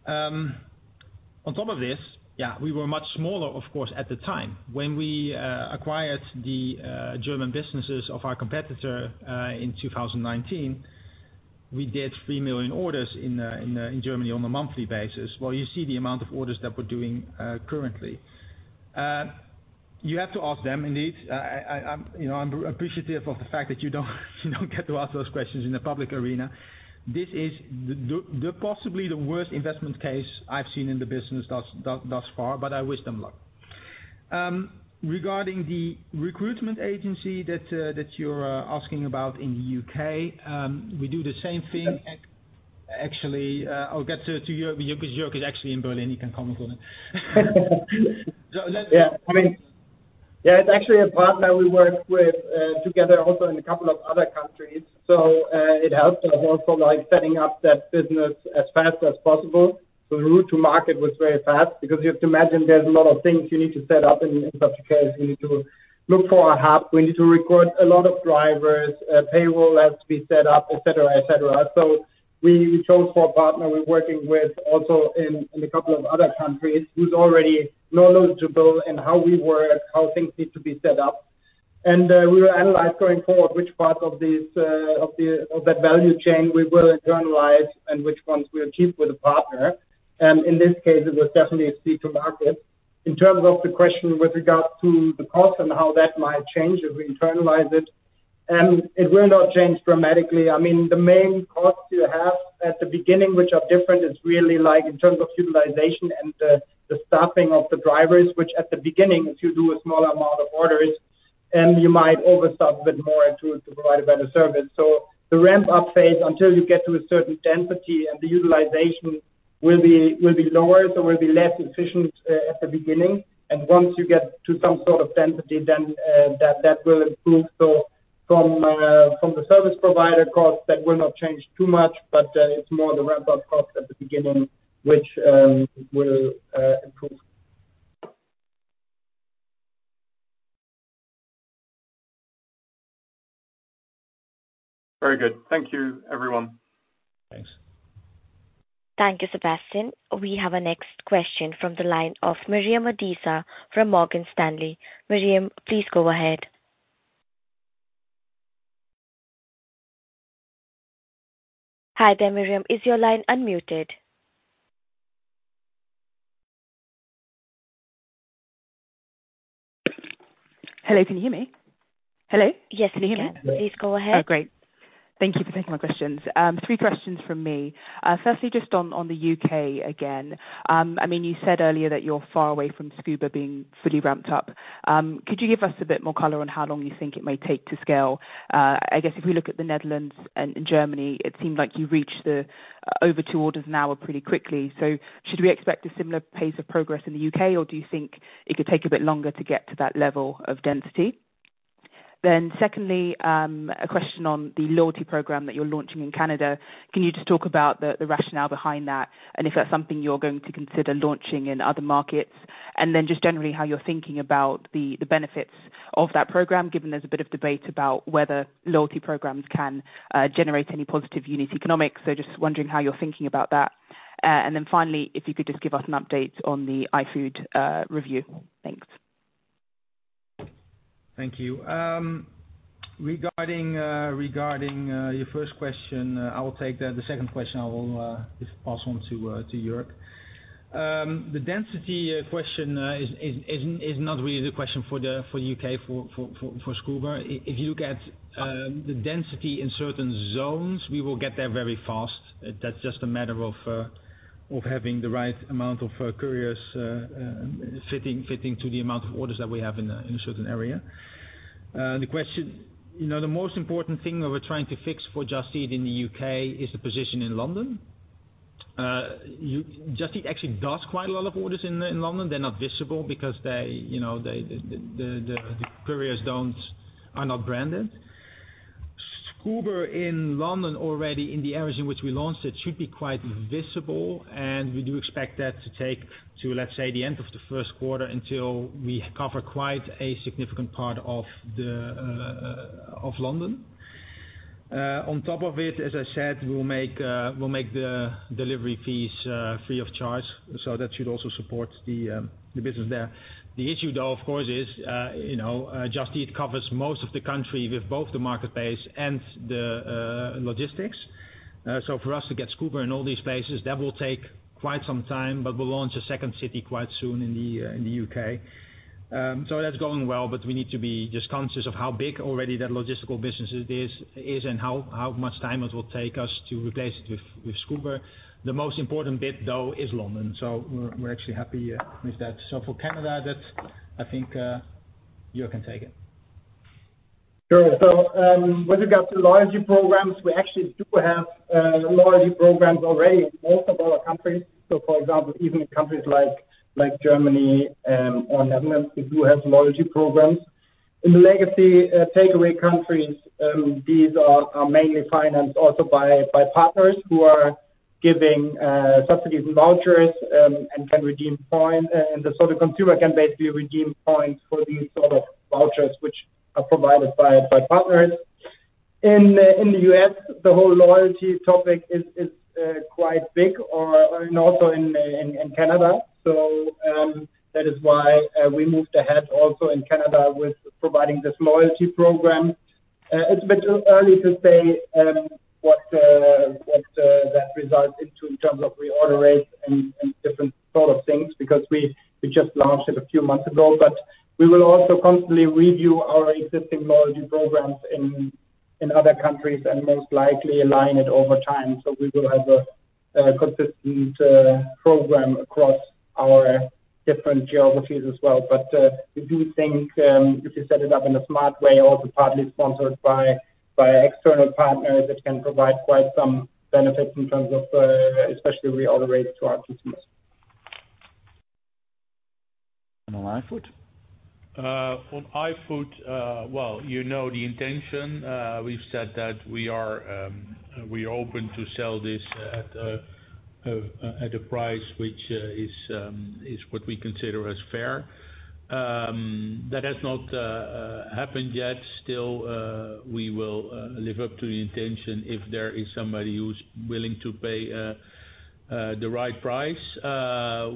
On top of this, we were much smaller, of course, at the time. When we acquired the German businesses of our competitor in 2019, we did 3 million orders in Germany on a monthly basis. Well, you see the amount of orders that we're doing currently. You have to ask them, indeed. I'm appreciative of the fact that you don't get to ask those questions in the public arena. This is possibly the worst investment case I've seen in the business thus far, but I wish them luck. Regarding the recruitment agency that you're asking about in the U.K., we do the same thing. Actually, I'll get to Jörg because Jörg is actually in Berlin, he can comment on it. Yeah. It's actually a partner we work with together also in a couple of other countries, so it helped us also setting up that business as fast as possible. The route to market was very fast because you have to imagine there's a lot of things you need to set up in such a case. We need to look for a hub, we need to recruit a lot of drivers, payroll has to be set up, et cetera. We chose for a partner we're working with also in a couple of other countries who's already knowledgeable in how we work, how things need to be set up. We will analyze going forward which part of that value chain we will internalize and which ones we achieve with a partner. In this case, it was definitely a speed to market. In terms of the question with regards to the cost and how that might change if we internalize it will not change dramatically. The main costs you have at the beginning, which are different, is really in terms of utilization and the staffing of the drivers, which at the beginning, if you do a smaller amount of orders, you might overstaff a bit more to provide a better service. The ramp-up phase until you get to a certain density and the utilization will be lower, so will be less efficient at the beginning. Once you get to some sort of density, then that will improve. From the service provider cost, that will not change too much, but it's more the ramp-up cost at the beginning, which will improve. Very good. Thank you, everyone. Thanks. Thank you, Sebastian. We have our next question from the line of Miriam Josiah from Morgan Stanley. Miriam, please go ahead. Hi there, Miriam. Is your line unmuted? Hello, can you hear me? Hello? Yes, we can. Can you hear me? Please go ahead. Oh, great. Thank you for taking my questions. Three questions from me. Firstly, just on the U.K. again. You said earlier that you're far away from Scoober being fully ramped up. Could you give us a bit more color on how long you think it may take to scale? I guess if we look at the Netherlands and Germany, it seemed like you reached the over two orders an hour pretty quickly. Should we expect a similar pace of progress in the U.K., or do you think it could take a bit longer to get to that level of density? Secondly, a question on the loyalty program that you're launching in Canada. Can you just talk about the rationale behind that, and if that's something you're going to consider launching in other markets? Just generally how you're thinking about the benefits of that program, given there's a bit of debate about whether loyalty programs can generate any positive unit economics. Just wondering how you're thinking about that. Finally, if you could just give us an update on the iFood review. Thanks. Thank you. Regarding your first question, I will take that. The second question, I will just pass on to Jörg. The density question is not really the question for U.K., for Scoober. If you look at the density in certain zones, we will get there very fast. That's just a matter of having the right amount of couriers fitting to the amount of orders that we have in a certain area. The most important thing that we're trying to fix for Just Eat in the U.K. is the position in London. Just Eat actually does quite a lot of orders in London. They're not visible because the couriers are not branded. Scoober in London already in the areas in which we launched, it should be quite visible, and we do expect that to take to, let's say, the end of the first quarter until we cover quite a significant part of London. On top of it, as I said, we'll make the delivery fees free of charge. That should also support the business there. The issue though, of course is, Just Eat covers most of the country with both the marketplace and the logistics. For us to get Scoober in all these spaces, that will take quite some time, but we'll launch a second city quite soon in the U.K. That's going well, but we need to be just conscious of how big already that logistical business is and how much time it will take us to replace it with Scoober. The most important bit, though, is London. We're actually happy with that. For Canada, that, I think, Jörg can take it. Sure. With regards to loyalty programs, we actually do have loyalty programs already in most of our countries. For example, even in countries like Germany, or Netherlands, we do have loyalty programs. In the legacy takeaway countries, these are mainly financed also by partners who are giving subsidies and vouchers, and can redeem points. The consumer can basically redeem points for these sort of vouchers, which are provided by partners. In the U.S., the whole loyalty topic is quite big, and also in Canada. That is why we moved ahead also in Canada with providing this loyalty program. It's a bit early to say what that results into in terms of reorder rates and different sort of things, because we just launched it a few months ago. We will also constantly review our existing loyalty programs in other countries and most likely align it over time. We will have a consistent program across our different geographies as well. We do think, if you set it up in a smart way, also partly sponsored by external partners, it can provide quite some benefits in terms of, especially reorder rates to our customers. On iFood? On iFood, well, you know the intention. We've said that we are open to sell this at a price which is what we consider as fair. That has not happened yet. We will live up to the intention if there is somebody who's willing to pay the right price.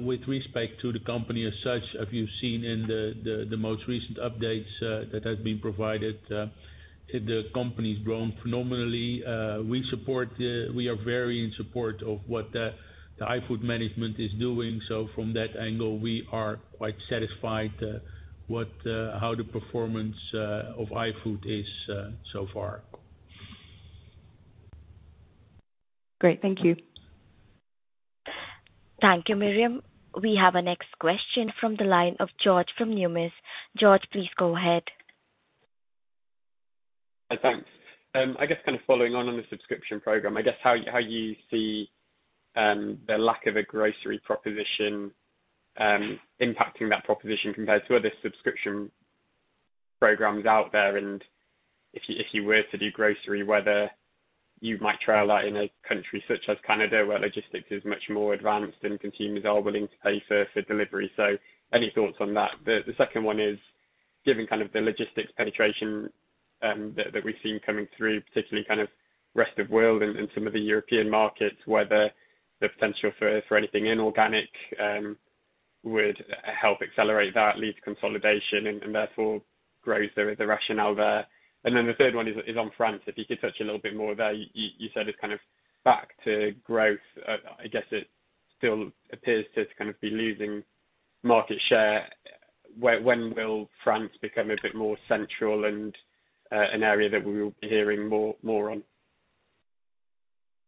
With respect to the company as such, as you've seen in the most recent updates that have been provided, the company's grown phenomenally. We are very in support of what the iFood management is doing. From that angle, we are quite satisfied how the performance of iFood is so far. Great. Thank you. Thank you, Miriam. We have our next question from the line of George from Numis. George, please go ahead. Hi. Thanks. Following on the subscription program, how you see the lack of a grocery proposition impacting that proposition compared to other subscription programs out there. If you were to do grocery, whether you might trial that in a country such as Canada, where logistics is much more advanced and consumers are willing to pay for delivery. Any thoughts on that? The second one is, given the logistics penetration that we've seen coming through, particularly rest of world and some of the European markets, whether the potential for anything inorganic would help accelerate that, lead to consolidation and therefore growth. The rationale there. The third one is on France. If you could touch a little bit more there. You said it's back to growth. I guess it still appears to kind of be losing market share. When will France become a bit more central and an area that we will be hearing more on?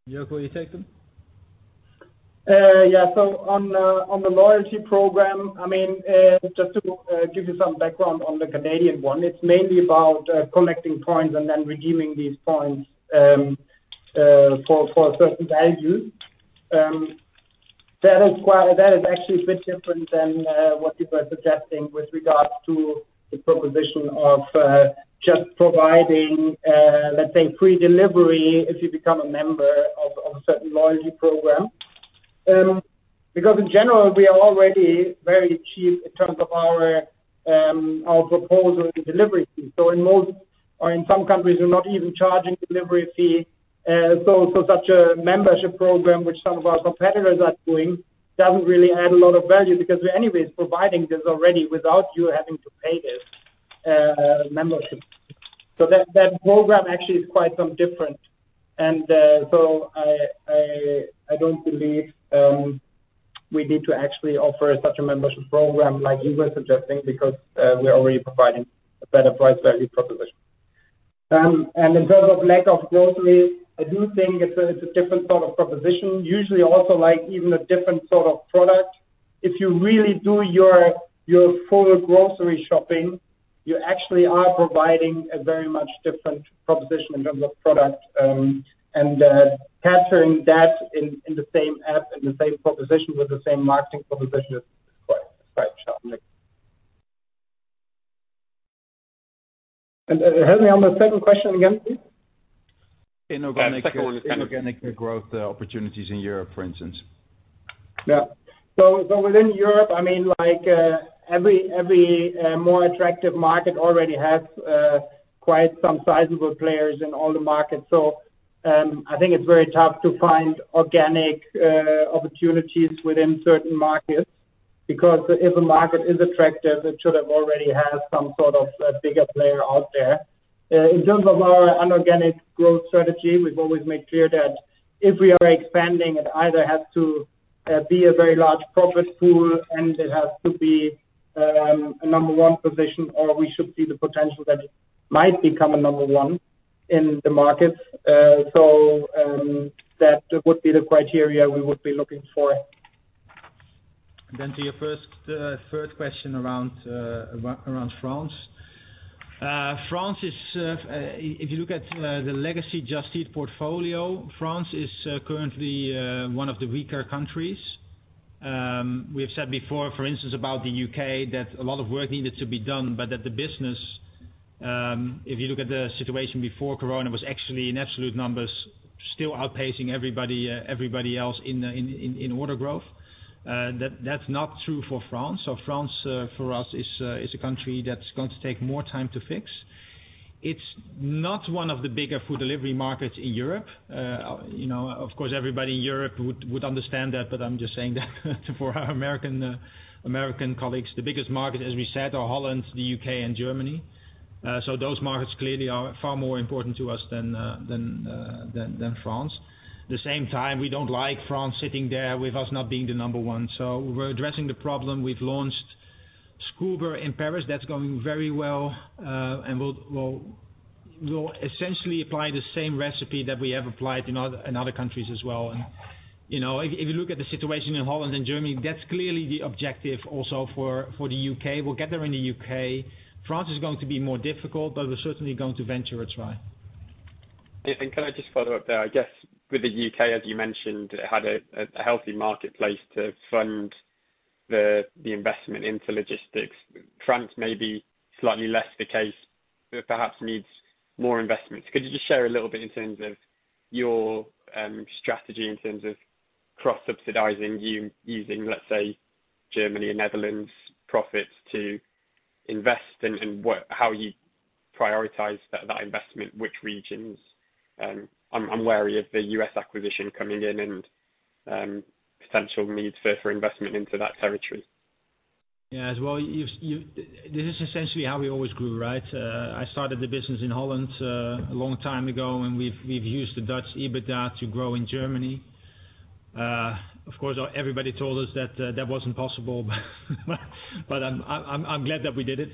Jörg, will you take them? Yeah. On the loyalty program, just to give you some background on the Canadian one. It's mainly about collecting points and then redeeming these points for a certain value. That is actually a bit different than what you were suggesting with regards to the proposition of just providing, let's say, free delivery if you become a member of a certain loyalty program. In general, we are already very cheap in terms of our proposal in delivery fees. In some countries, we're not even charging delivery fee. Such a membership program, which some of our competitors are doing, doesn't really add a lot of value because we're anyways providing this already without you having to pay this membership. That program actually is quite some different. I don't believe we need to actually offer such a membership program like you were suggesting because, we're already providing a better price value proposition. In terms of lack of groceries, I do think it's a different sort of proposition, usually also like even a different sort of product. If you really do your full grocery shopping, you actually are providing a very much different proposition in terms of product, and capturing that in the same app, in the same proposition with the same marketing proposition is quite challenging. Help me on the second question again, please. Inorganic growth opportunities in Europe, for instance. Within Europe, every more attractive market already has quite some sizable players in all the markets. I think it's very tough to find organic opportunities within certain markets, because if a market is attractive, it should have already had some sort of a bigger player out there. In terms of our inorganic growth strategy, we've always made clear that if we are expanding, it either has to be a very large profit pool and it has to be a number one position, or we should see the potential that might become a number one in the markets. That would be the criteria we would be looking for. Then to your third question around France. If you look at the legacy Just Eat portfolio, France is currently one of the weaker countries. We have said before, for instance, about the U.K., that a lot of work needed to be done, but that the business, if you look at the situation before Corona, was actually in absolute numbers, still outpacing everybody else in order growth. That's not true for France. France, for us, is a country that's going to take more time to fix. It's not one of the bigger food delivery markets in Europe. Of course, everybody in Europe would understand that, but I'm just saying that for our American colleagues. The biggest market, as we said, are Holland, the U.K., and Germany. Those markets clearly are far more important to us than France. The same time, we don't like France sitting there with us not being the number one. We're addressing the problem. We've launched Scoober in Paris. That's going very well. We'll essentially apply the same recipe that we have applied in other countries as well. If you look at the situation in Holland and Germany, that's clearly the objective also for the U.K. We'll get there in the U.K. France is going to be more difficult, but we're certainly going to venture a try. Yeah. Can I just follow up there? I guess with the U.K., as you mentioned, it had a healthy marketplace to fund the investment into logistics. France may be slightly less the case, perhaps needs more investments. Could you just share a little bit in terms of your strategy in terms of cross-subsidizing you using, let's say, Germany and Netherlands profits to invest, and how you prioritize that investment, which regions? I'm wary of the U.S. acquisition coming in and potential needs further investment into that territory. Well, this is essentially how we always grew, right? I started the business in Holland, a long time ago, and we've used the Dutch EBITDA to grow in Germany. Of course, everybody told us that wasn't possible, but I'm glad that we did it.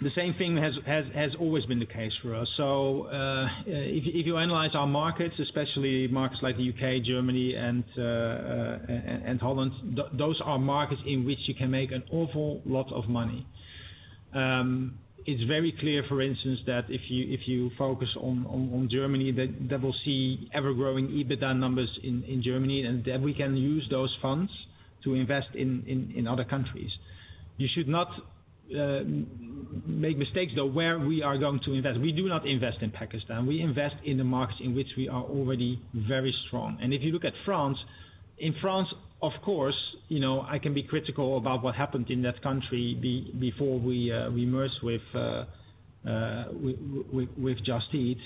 The same thing has always been the case for us. If you analyze our markets, especially markets like the U.K., Germany, and Holland, those are markets in which you can make an awful lot of money. It's very clear, for instance, that if you focus on Germany, that we'll see ever-growing EBITDA numbers in Germany, and then we can use those funds to invest in other countries. You should not make mistakes, though, where we are going to invest. We do not invest in Pakistan. We invest in the markets in which we are already very strong. If you look at France, in France, of course, I can be critical about what happened in that country before we merged with Just Eat.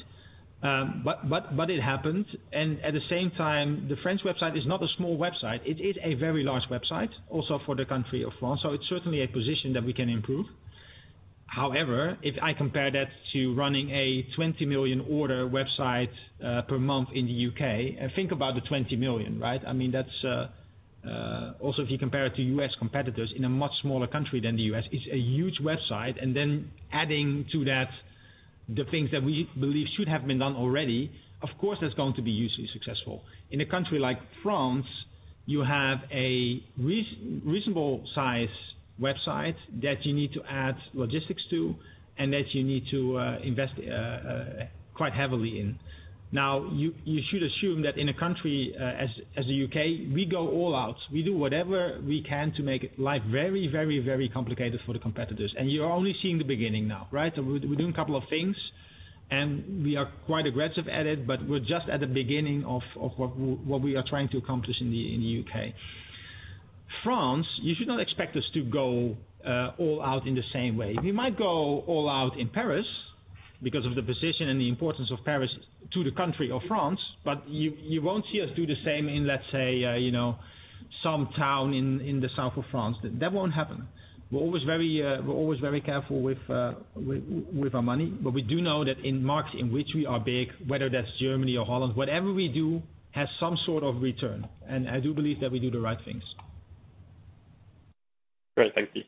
It happened, and at the same time, the French website is not a small website. It is a very large website also for the country of France, so it's certainly a position that we can improve. However, if I compare that to running a 20 million order website per month in the U.K., think about the 20 million. Also, if you compare it to U.S. competitors, in a much smaller country than the U.S., it's a huge website. Adding to that the things that we believe should have been done already, of course, that's going to be hugely successful. In a country like France, you have a reasonable size website that you need to add logistics to and that you need to invest quite heavily in. You should assume that in a country, as the U.K., we go all out. We do whatever we can to make life very complicated for the competitors. You're only seeing the beginning now, right? We're doing a couple of things, and we are quite aggressive at it, but we're just at the beginning of what we are trying to accomplish in the U.K. France, you should not expect us to go all out in the same way. We might go all out in Paris because of the position and the importance of Paris to the country of France, but you won't see us do the same in, let's say, some town in the South of France. That won't happen. We're always very careful with our money. We do know that in markets in which we are big, whether that's Germany or Holland, whatever we do has some sort of return, and I do believe that we do the right things. Great. Thank you.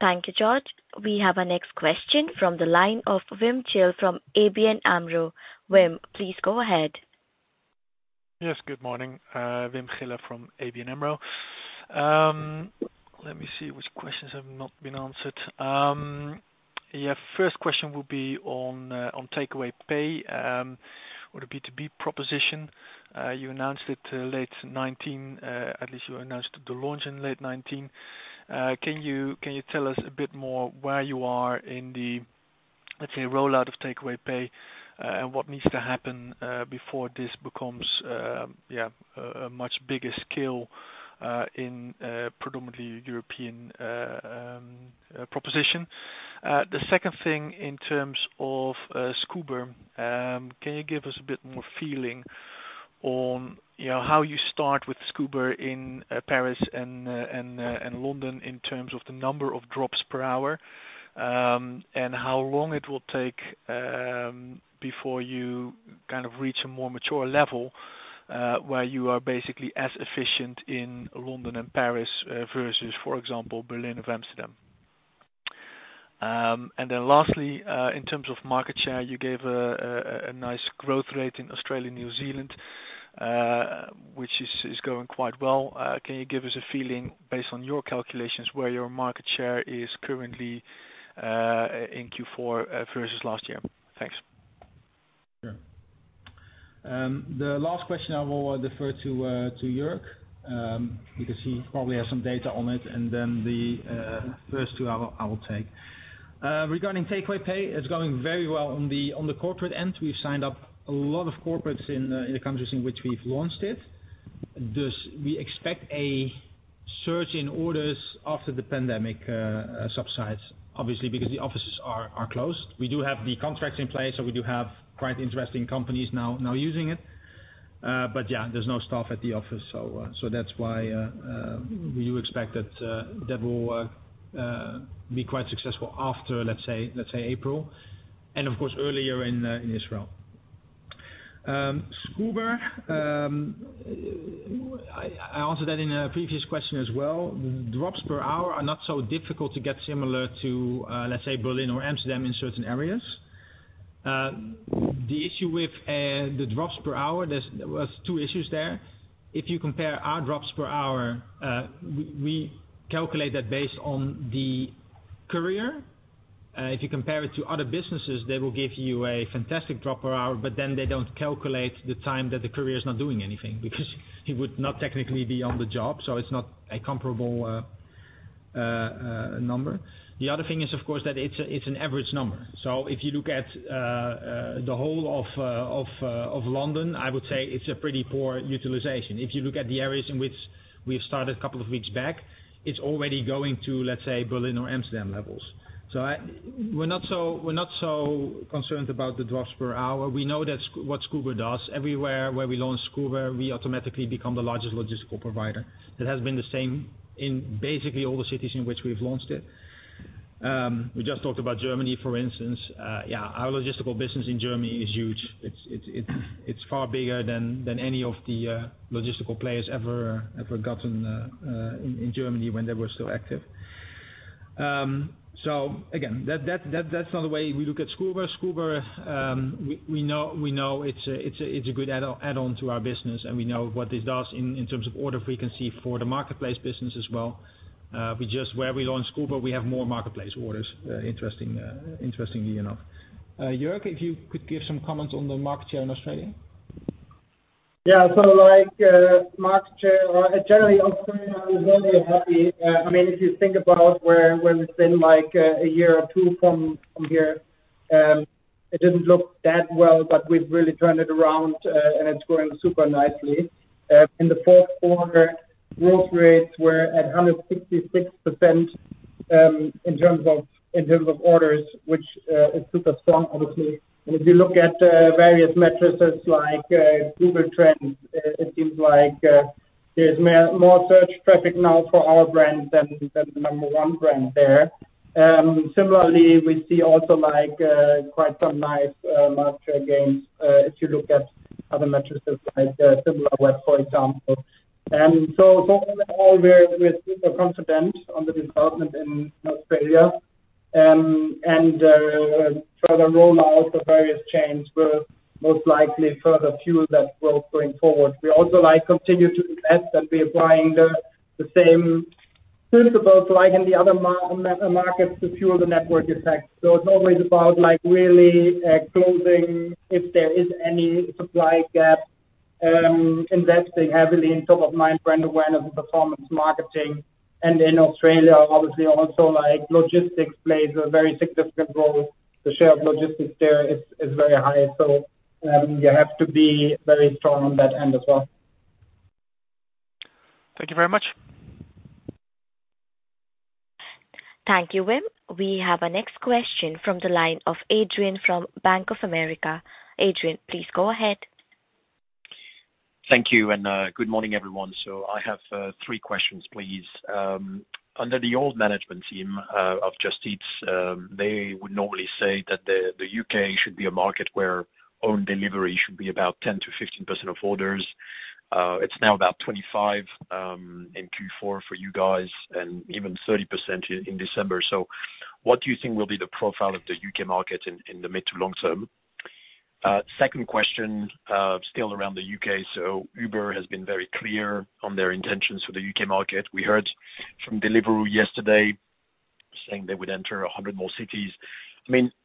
Thank you, George. We have our next question from the line of Wim Gille from ABN AMRO. Wim, please go ahead. Yes, good morning. Wim Gille from ABN AMRO. Let me see which questions have not been answered. First question will be on Takeaway Pay, or the B2B proposition. You announced it late 2019, at least you announced the launch in late 2019. Can you tell us a bit more where you are in the, let's say, rollout of Takeaway Pay? What needs to happen before this becomes a much bigger scale in predominantly European proposition. The second thing in terms of Scoober. Can you give us a bit more feeling on how you start with Scoober in Paris and London in terms of the number of drops per hour? How long it will take before you reach a more mature level, where you are basically as efficient in London and Paris versus, for example, Berlin or Amsterdam. Lastly, in terms of market share, you gave a nice growth rate in Australia, New Zealand, which is going quite well. Can you give us a feeling based on your calculations where your market share is currently, in Q4 versus last year? Thanks. Sure. The last question I will defer to Jörg, because he probably has some data on it. The first two I will take. Regarding Takeaway Pay, it's going very well on the corporate end. We've signed up a lot of corporates in the countries in which we've launched it. Thus, we expect a surge in orders after the pandemic subsides, obviously because the offices are closed. We do have the contracts in place, we do have quite interesting companies now using it. Yeah, there's no staff at the office. That's why we expect that that will be quite successful after, let's say, April, and of course earlier in Israel. Scoober, I answered that in a previous question as well. Drops per hour are not so difficult to get similar to, let's say, Berlin or Amsterdam in certain areas. The issue with the drops per hour, there's two issues there. If you compare our drops per hour, we calculate that based on the courier. If you compare it to other businesses, they will give you a fantastic drop per hour, they don't calculate the time that the courier is not doing anything, because he would not technically be on the job, it's not a comparable number. The other thing is, of course, that it's an average number. If you look at the whole of London, I would say it's a pretty poor utilization. If you look at the areas in which we've started a couple of weeks back, it's already going to, let's say, Berlin or Amsterdam levels. We're not so concerned about the drops per hour. We know that's what Scoober does. Everywhere where we launch Scoober, we automatically become the largest logistical provider. It has been the same in basically all the cities in which we've launched it. We just talked about Germany, for instance. Yeah, our logistical business in Germany is huge. It's far bigger than any of the logistical players ever gotten in Germany when they were still active. Again, that's not the way we look at Scoober. Scoober, we know it's a good add-on to our business, and we know what this does in terms of order frequency for the marketplace business as well. Wherever we launch Scoober, we have more marketplace orders, interestingly enough. Jörg, if you could give some comments on the market share in Australia. Market share, generally Australia is very happy. If you think about where we've been a year or two from here, it didn't look that well, but we've really turned it around, and it's growing super nicely. In the fourth quarter, growth rates were at 166% in terms of orders, which is super strong, obviously. If you look at various metrics like Google Trends, it seems like there's more search traffic now for our brand than the number one brand there. Similarly, we see also quite some nice market share gains, if you look at other metrics like Similarweb, for example. All we're super confident on the development in Australia. Further rollout of various chains will most likely further fuel that growth going forward. We also continue to invest, and we're applying the same principles like in the other markets to fuel the network effect. It's always about really closing if there is any supply gap, investing heavily in top-of-mind brand awareness and performance marketing. In Australia, obviously also logistics plays a very significant role. The share of logistics there is very high. You have to be very strong on that end as well. Thank you very much. Thank you, Wim. We have our next question from the line of Adrien from Bank of America. Adrien, please go ahead. Thank you, good morning, everyone. I have three questions, please. Under the old management team of Just Eat's, they would normally say that the U.K. should be a market where own delivery should be about 10%-15% of orders. It's now about 25% in Q4 for you guys and even 30% in December. What do you think will be the profile of the U.K. market in the mid to long term? Second question, still around the U.K. Uber has been very clear on their intentions for the U.K. market. We heard from Deliveroo yesterday saying they would enter 100 more cities.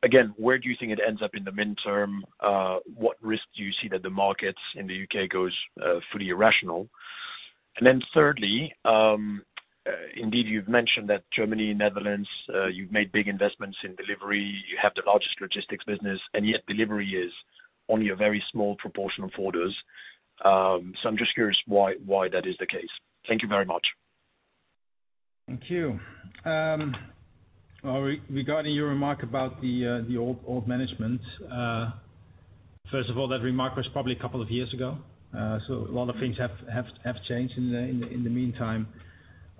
Again, where do you think it ends up in the midterm? What risk do you see that the markets in the U.K. goes fully irrational? Thirdly, indeed, you've mentioned that Germany, Netherlands, you've made big investments in delivery. You have the largest logistics business, and yet delivery is only a very small proportion of orders. I'm just curious why that is the case. Thank you very much. Thank you. Regarding your remark about the old management, first of all, that remark was probably a couple of years ago. A lot of things have changed in the meantime,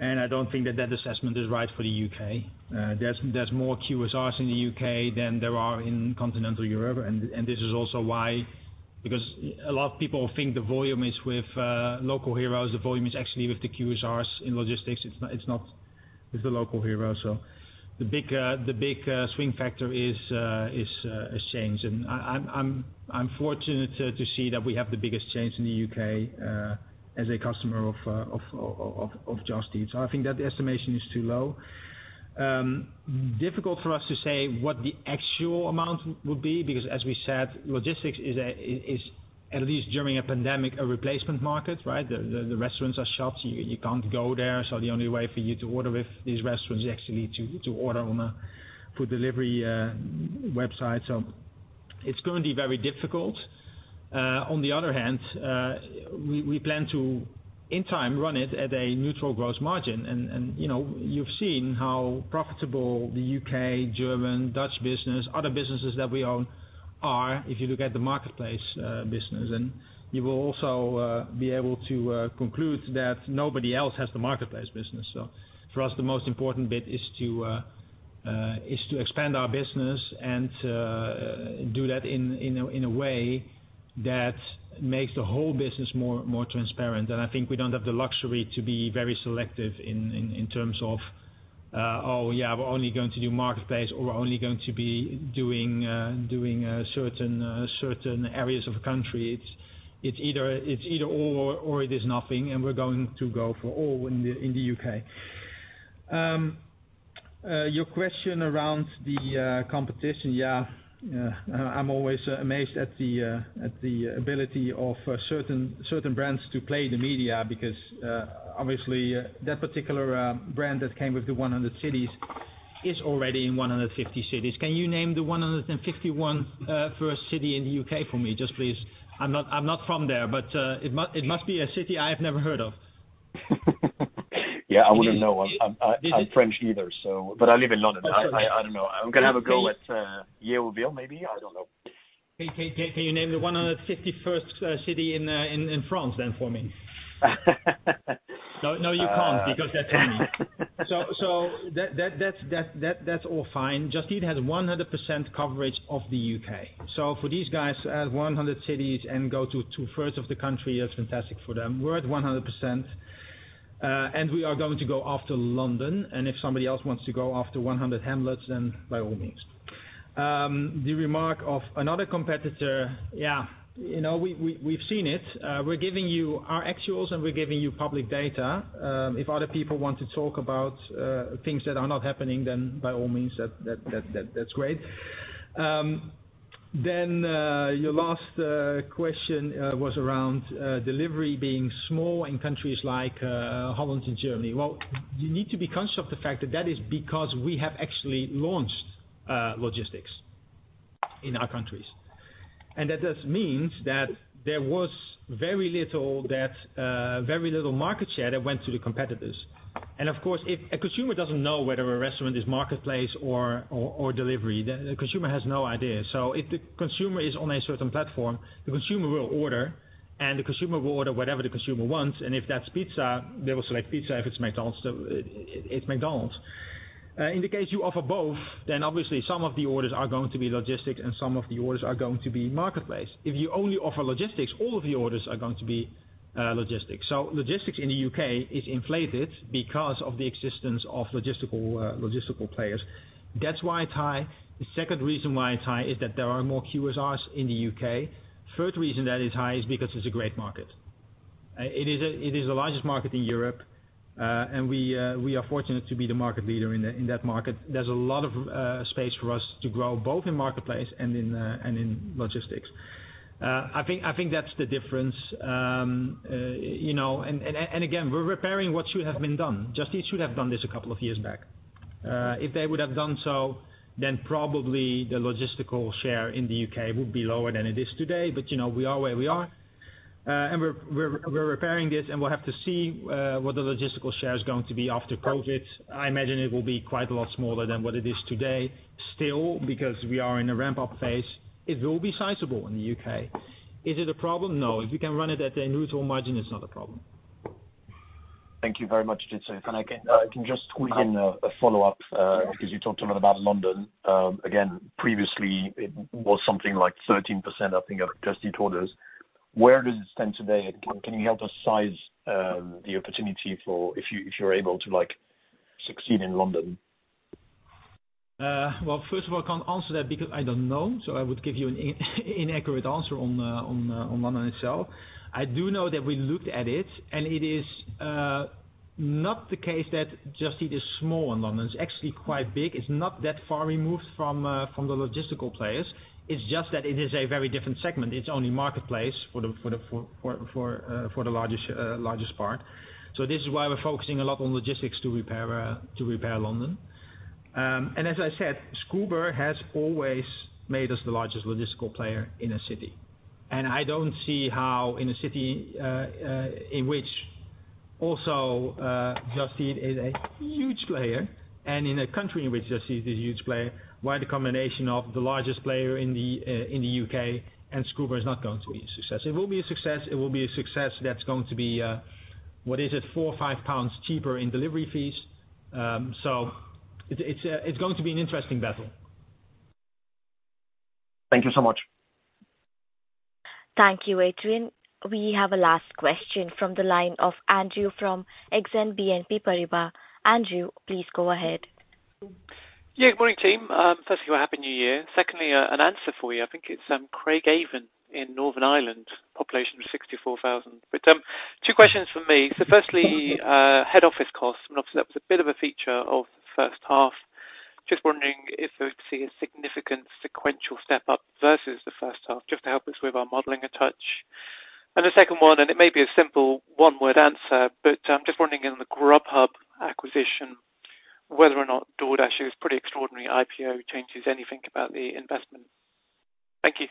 and I don't think that that assessment is right for the U.K. There's more QSRs in the U.K. than there are in continental Europe. This is also why, because a lot of people think the volume is with Local Heroes, the volume is actually with the QSRs in logistics. It's the Local Heroes. The big swing factor is change. I'm fortunate to see that we have the biggest change in the U.K. as a customer of Just Eat. I think that the estimation is too low. Difficult for us to say what the actual amount would be, because as we said, logistics is at least during a pandemic, a replacement market, right? The restaurants are shut, you can't go there. The only way for you to order with these restaurants is actually to order on a food delivery website. It's going to be very difficult. On the other hand, we plan to, in time, run it at a neutral gross margin. You've seen how profitable the U.K., German, Dutch business, other businesses that we own are, if you look at the marketplace business. You will also be able to conclude that nobody else has the marketplace business. For us, the most important bit is to expand our business and do that in a way that makes the whole business more transparent. I think we don't have the luxury to be very selective in terms of, "Oh, yeah, we're only going to do marketplace," or, "We're only going to be doing certain areas of a country." It's either all or it is nothing, and we're going to go for all in the U.K. Your question around the competition. Yeah. I'm always amazed at the ability of certain brands to play the media because, obviously, that particular brand that came with the 100 cities is already in 150 cities. Can you name the 151st city in the U.K. for me, just please? I'm not from there, but it must be a city I have never heard of. Yeah. I wouldn't know. I'm French either. I live in London. I don't know. I'm going to have a go at Yeovil, maybe. I don't know. Can you name the 151st city in France for me? No, you can't, because that's Paris. That's all fine. Just Eat has 100% coverage of the U.K. For these guys at 100 cities and go two-thirds of the country, that's fantastic for them. We're at 100%, we are going to go after London, if somebody else wants to go after 100 hamlets, by all means. The remark of another competitor, yeah. We've seen it. We're giving you our actuals, we're giving you public data. If other people want to talk about things that are not happening, by all means, that's great. Your last question was around delivery being small in countries like Holland and Germany. Well, you need to be conscious of the fact that that is because we have actually launched logistics in our countries. That just means that there was very little market share that went to the competitors. Of course, if a consumer doesn't know whether a restaurant is marketplace or delivery, the consumer has no idea. If the consumer is on a certain platform, the consumer will order, and the consumer will order whatever the consumer wants, and if that's pizza, they will select pizza. If it's McDonald's, it's McDonald's. In the case you offer both, obviously some of the orders are going to be logistics and some of the orders are going to be marketplace. If you only offer logistics, all of the orders are going to be logistics. Logistics in the U.K. is inflated because of the existence of logistical players. That's why it's high. The second reason why it's high is that there are more QSRs in the U.K. Third reason that it's high is because it's a great market. It is the largest market in Europe. We are fortunate to be the market leader in that market. There's a lot of space for us to grow, both in marketplace and in logistics. I think that's the difference. Again, we're repairing what should have been done. Just Eat should have done this a couple of years back. If they would have done so, then probably the logistical share in the U.K. would be lower than it is today. We are where we are. We're repairing this, and we'll have to see what the logistical share is going to be after COVID. I imagine it will be quite a lot smaller than what it is today. Still, because we are in a ramp-up phase, it will be sizable in the U.K. Is it a problem? No. If you can run it at a neutral margin, it's not a problem. Thank you very much, Jitse. If I can just tweak in a follow-up, because you talked a lot about London. Again, previously, it was something like 13%, I think, of Just Eat orders. Where does it stand today? Can you help us size the opportunity for if you're able to succeed in London? Well, first of all, I can't answer that because I don't know. I would give you an inaccurate answer on London itself. I do know that we looked at it, and it is not the case that Just Eat is small in London. It's actually quite big. It's not that far removed from the logistical players. It's just that it is a very different segment. It's only marketplace for the largest part. This is why we're focusing a lot on logistics to repair London. As I said, Scoober has always made us the largest logistical player in a city. I don't see how in a city in which also Just Eat is a huge player, and in a country in which Just Eat is a huge player, why the combination of the largest player in the U.K. and Scoober is not going to be a success. It will be a success that's going to be, what is it, GBP four or five cheaper in delivery fees. It's going to be an interesting battle. Thank you so much. Thank you, Adrien. We have a last question from the line of Andrew from Exane BNP Paribas. Andrew, please go ahead. Good morning, team. Firstly, Happy New Year. Secondly, an answer for you. I think it's Craigavon in Northern Ireland, population of 64,000. Two questions from me. Firstly, head office costs, and obviously that was a bit of a feature of the first half. Just wondering if we would see a significant sequential step up versus the first half, just to help us with our modeling a touch. The second one, and it may be a simple one-word answer, but I'm just wondering in the Grubhub acquisition, whether or not DoorDash's pretty extraordinary IPO changes anything about the investment. Thank you.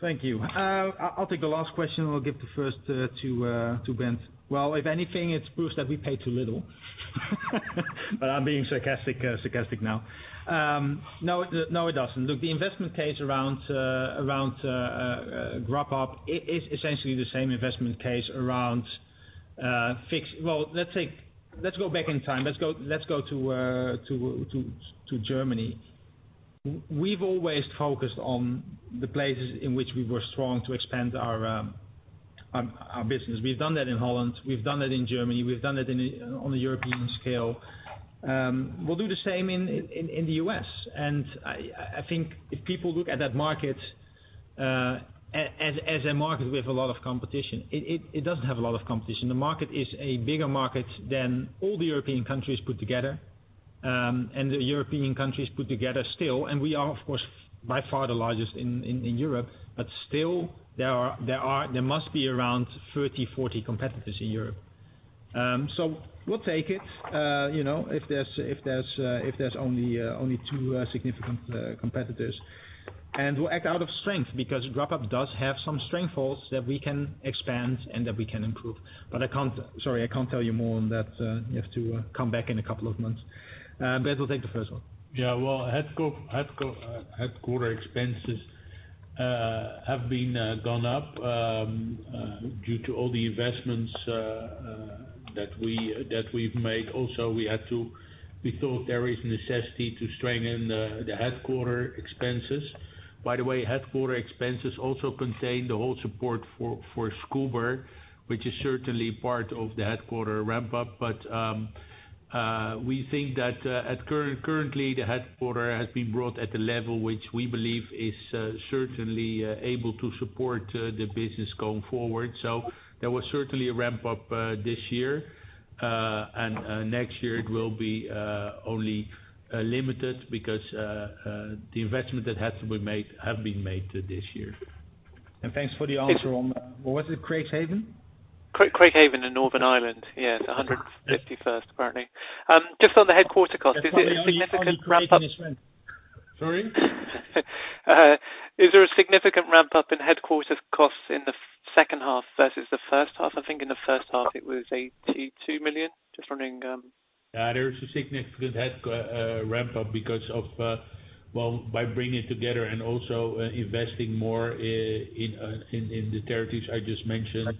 Thank you. I'll take the last question. I'll give the first to Brent. Well, if anything, it's proof that we pay too little. I'm being sarcastic now. No, it doesn't. Look, the investment case around Grubhub is essentially the same investment case around facts. Well, let's go back in time. Let's go to Germany. We've always focused on the places in which we were strong to expand our business. We've done that in Holland, we've done that in Germany, we've done that on a European scale. We'll do the same in the U.S. I think if people look at that market, as a market with a lot of competition, it doesn't have a lot of competition. The market is a bigger market than all the European countries put together, the European countries put together still, we are of course by far the largest in Europe. Still, there must be around 30, 40 competitors in Europe. So we'll take it, if there's only two significant competitors. And we'll act out of strength because Grubhub does have some strength holes that we can expand and that we can improve. But sorry, I can't tell you more on that. You have to come back in a couple of months. Brent will take the first one. Yeah, well, headquarter expenses have been gone up due to all the investments that we've made. We thought there is necessity to strengthen the headquarter expenses. By the way, headquarter expenses also contain the whole support for Scoober, which is certainly part of the headquarter ramp up. We think that currently the headquarter has been brought at a level which we believe is certainly able to support the business going forward. There will certainly a ramp up this year. Next year it will be only limited because the investment that had to be made have been made this year. Thanks for the answer on, what was it, Craigavon? Craigavon in Northern Ireland, yeah. The 151st, apparently. Just on the headquarter cost, is there a significant ramp up? Sorry? Is there a significant ramp up in headquarters costs in the second half versus the first half? I think in the first half it was 82 million. Just wondering. Yeah, there is a significant head ramp up because of, well, by bringing it together and also investing more in the territories I just mentioned.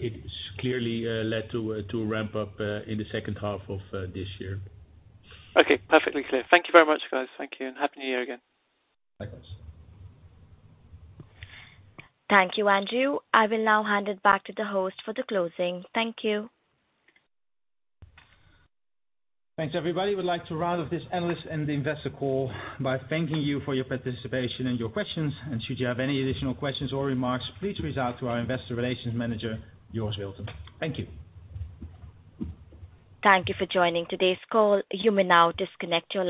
It is clearly led to a ramp up in the second half of this year. Okay, perfectly clear. Thank you very much, guys. Thank you, and happy New Year again. Thanks. Thank you, Andrew. I will now hand it back to the host for the closing. Thank you. Thanks, everybody. We'd like to round off this analyst and investor call by thanking you for your participation and your questions. Should you have any additional questions or remarks, please reach out to our investor relations manager, Joris Wilton. Thank you. Thank you for joining today's call. You may now disconnect your line.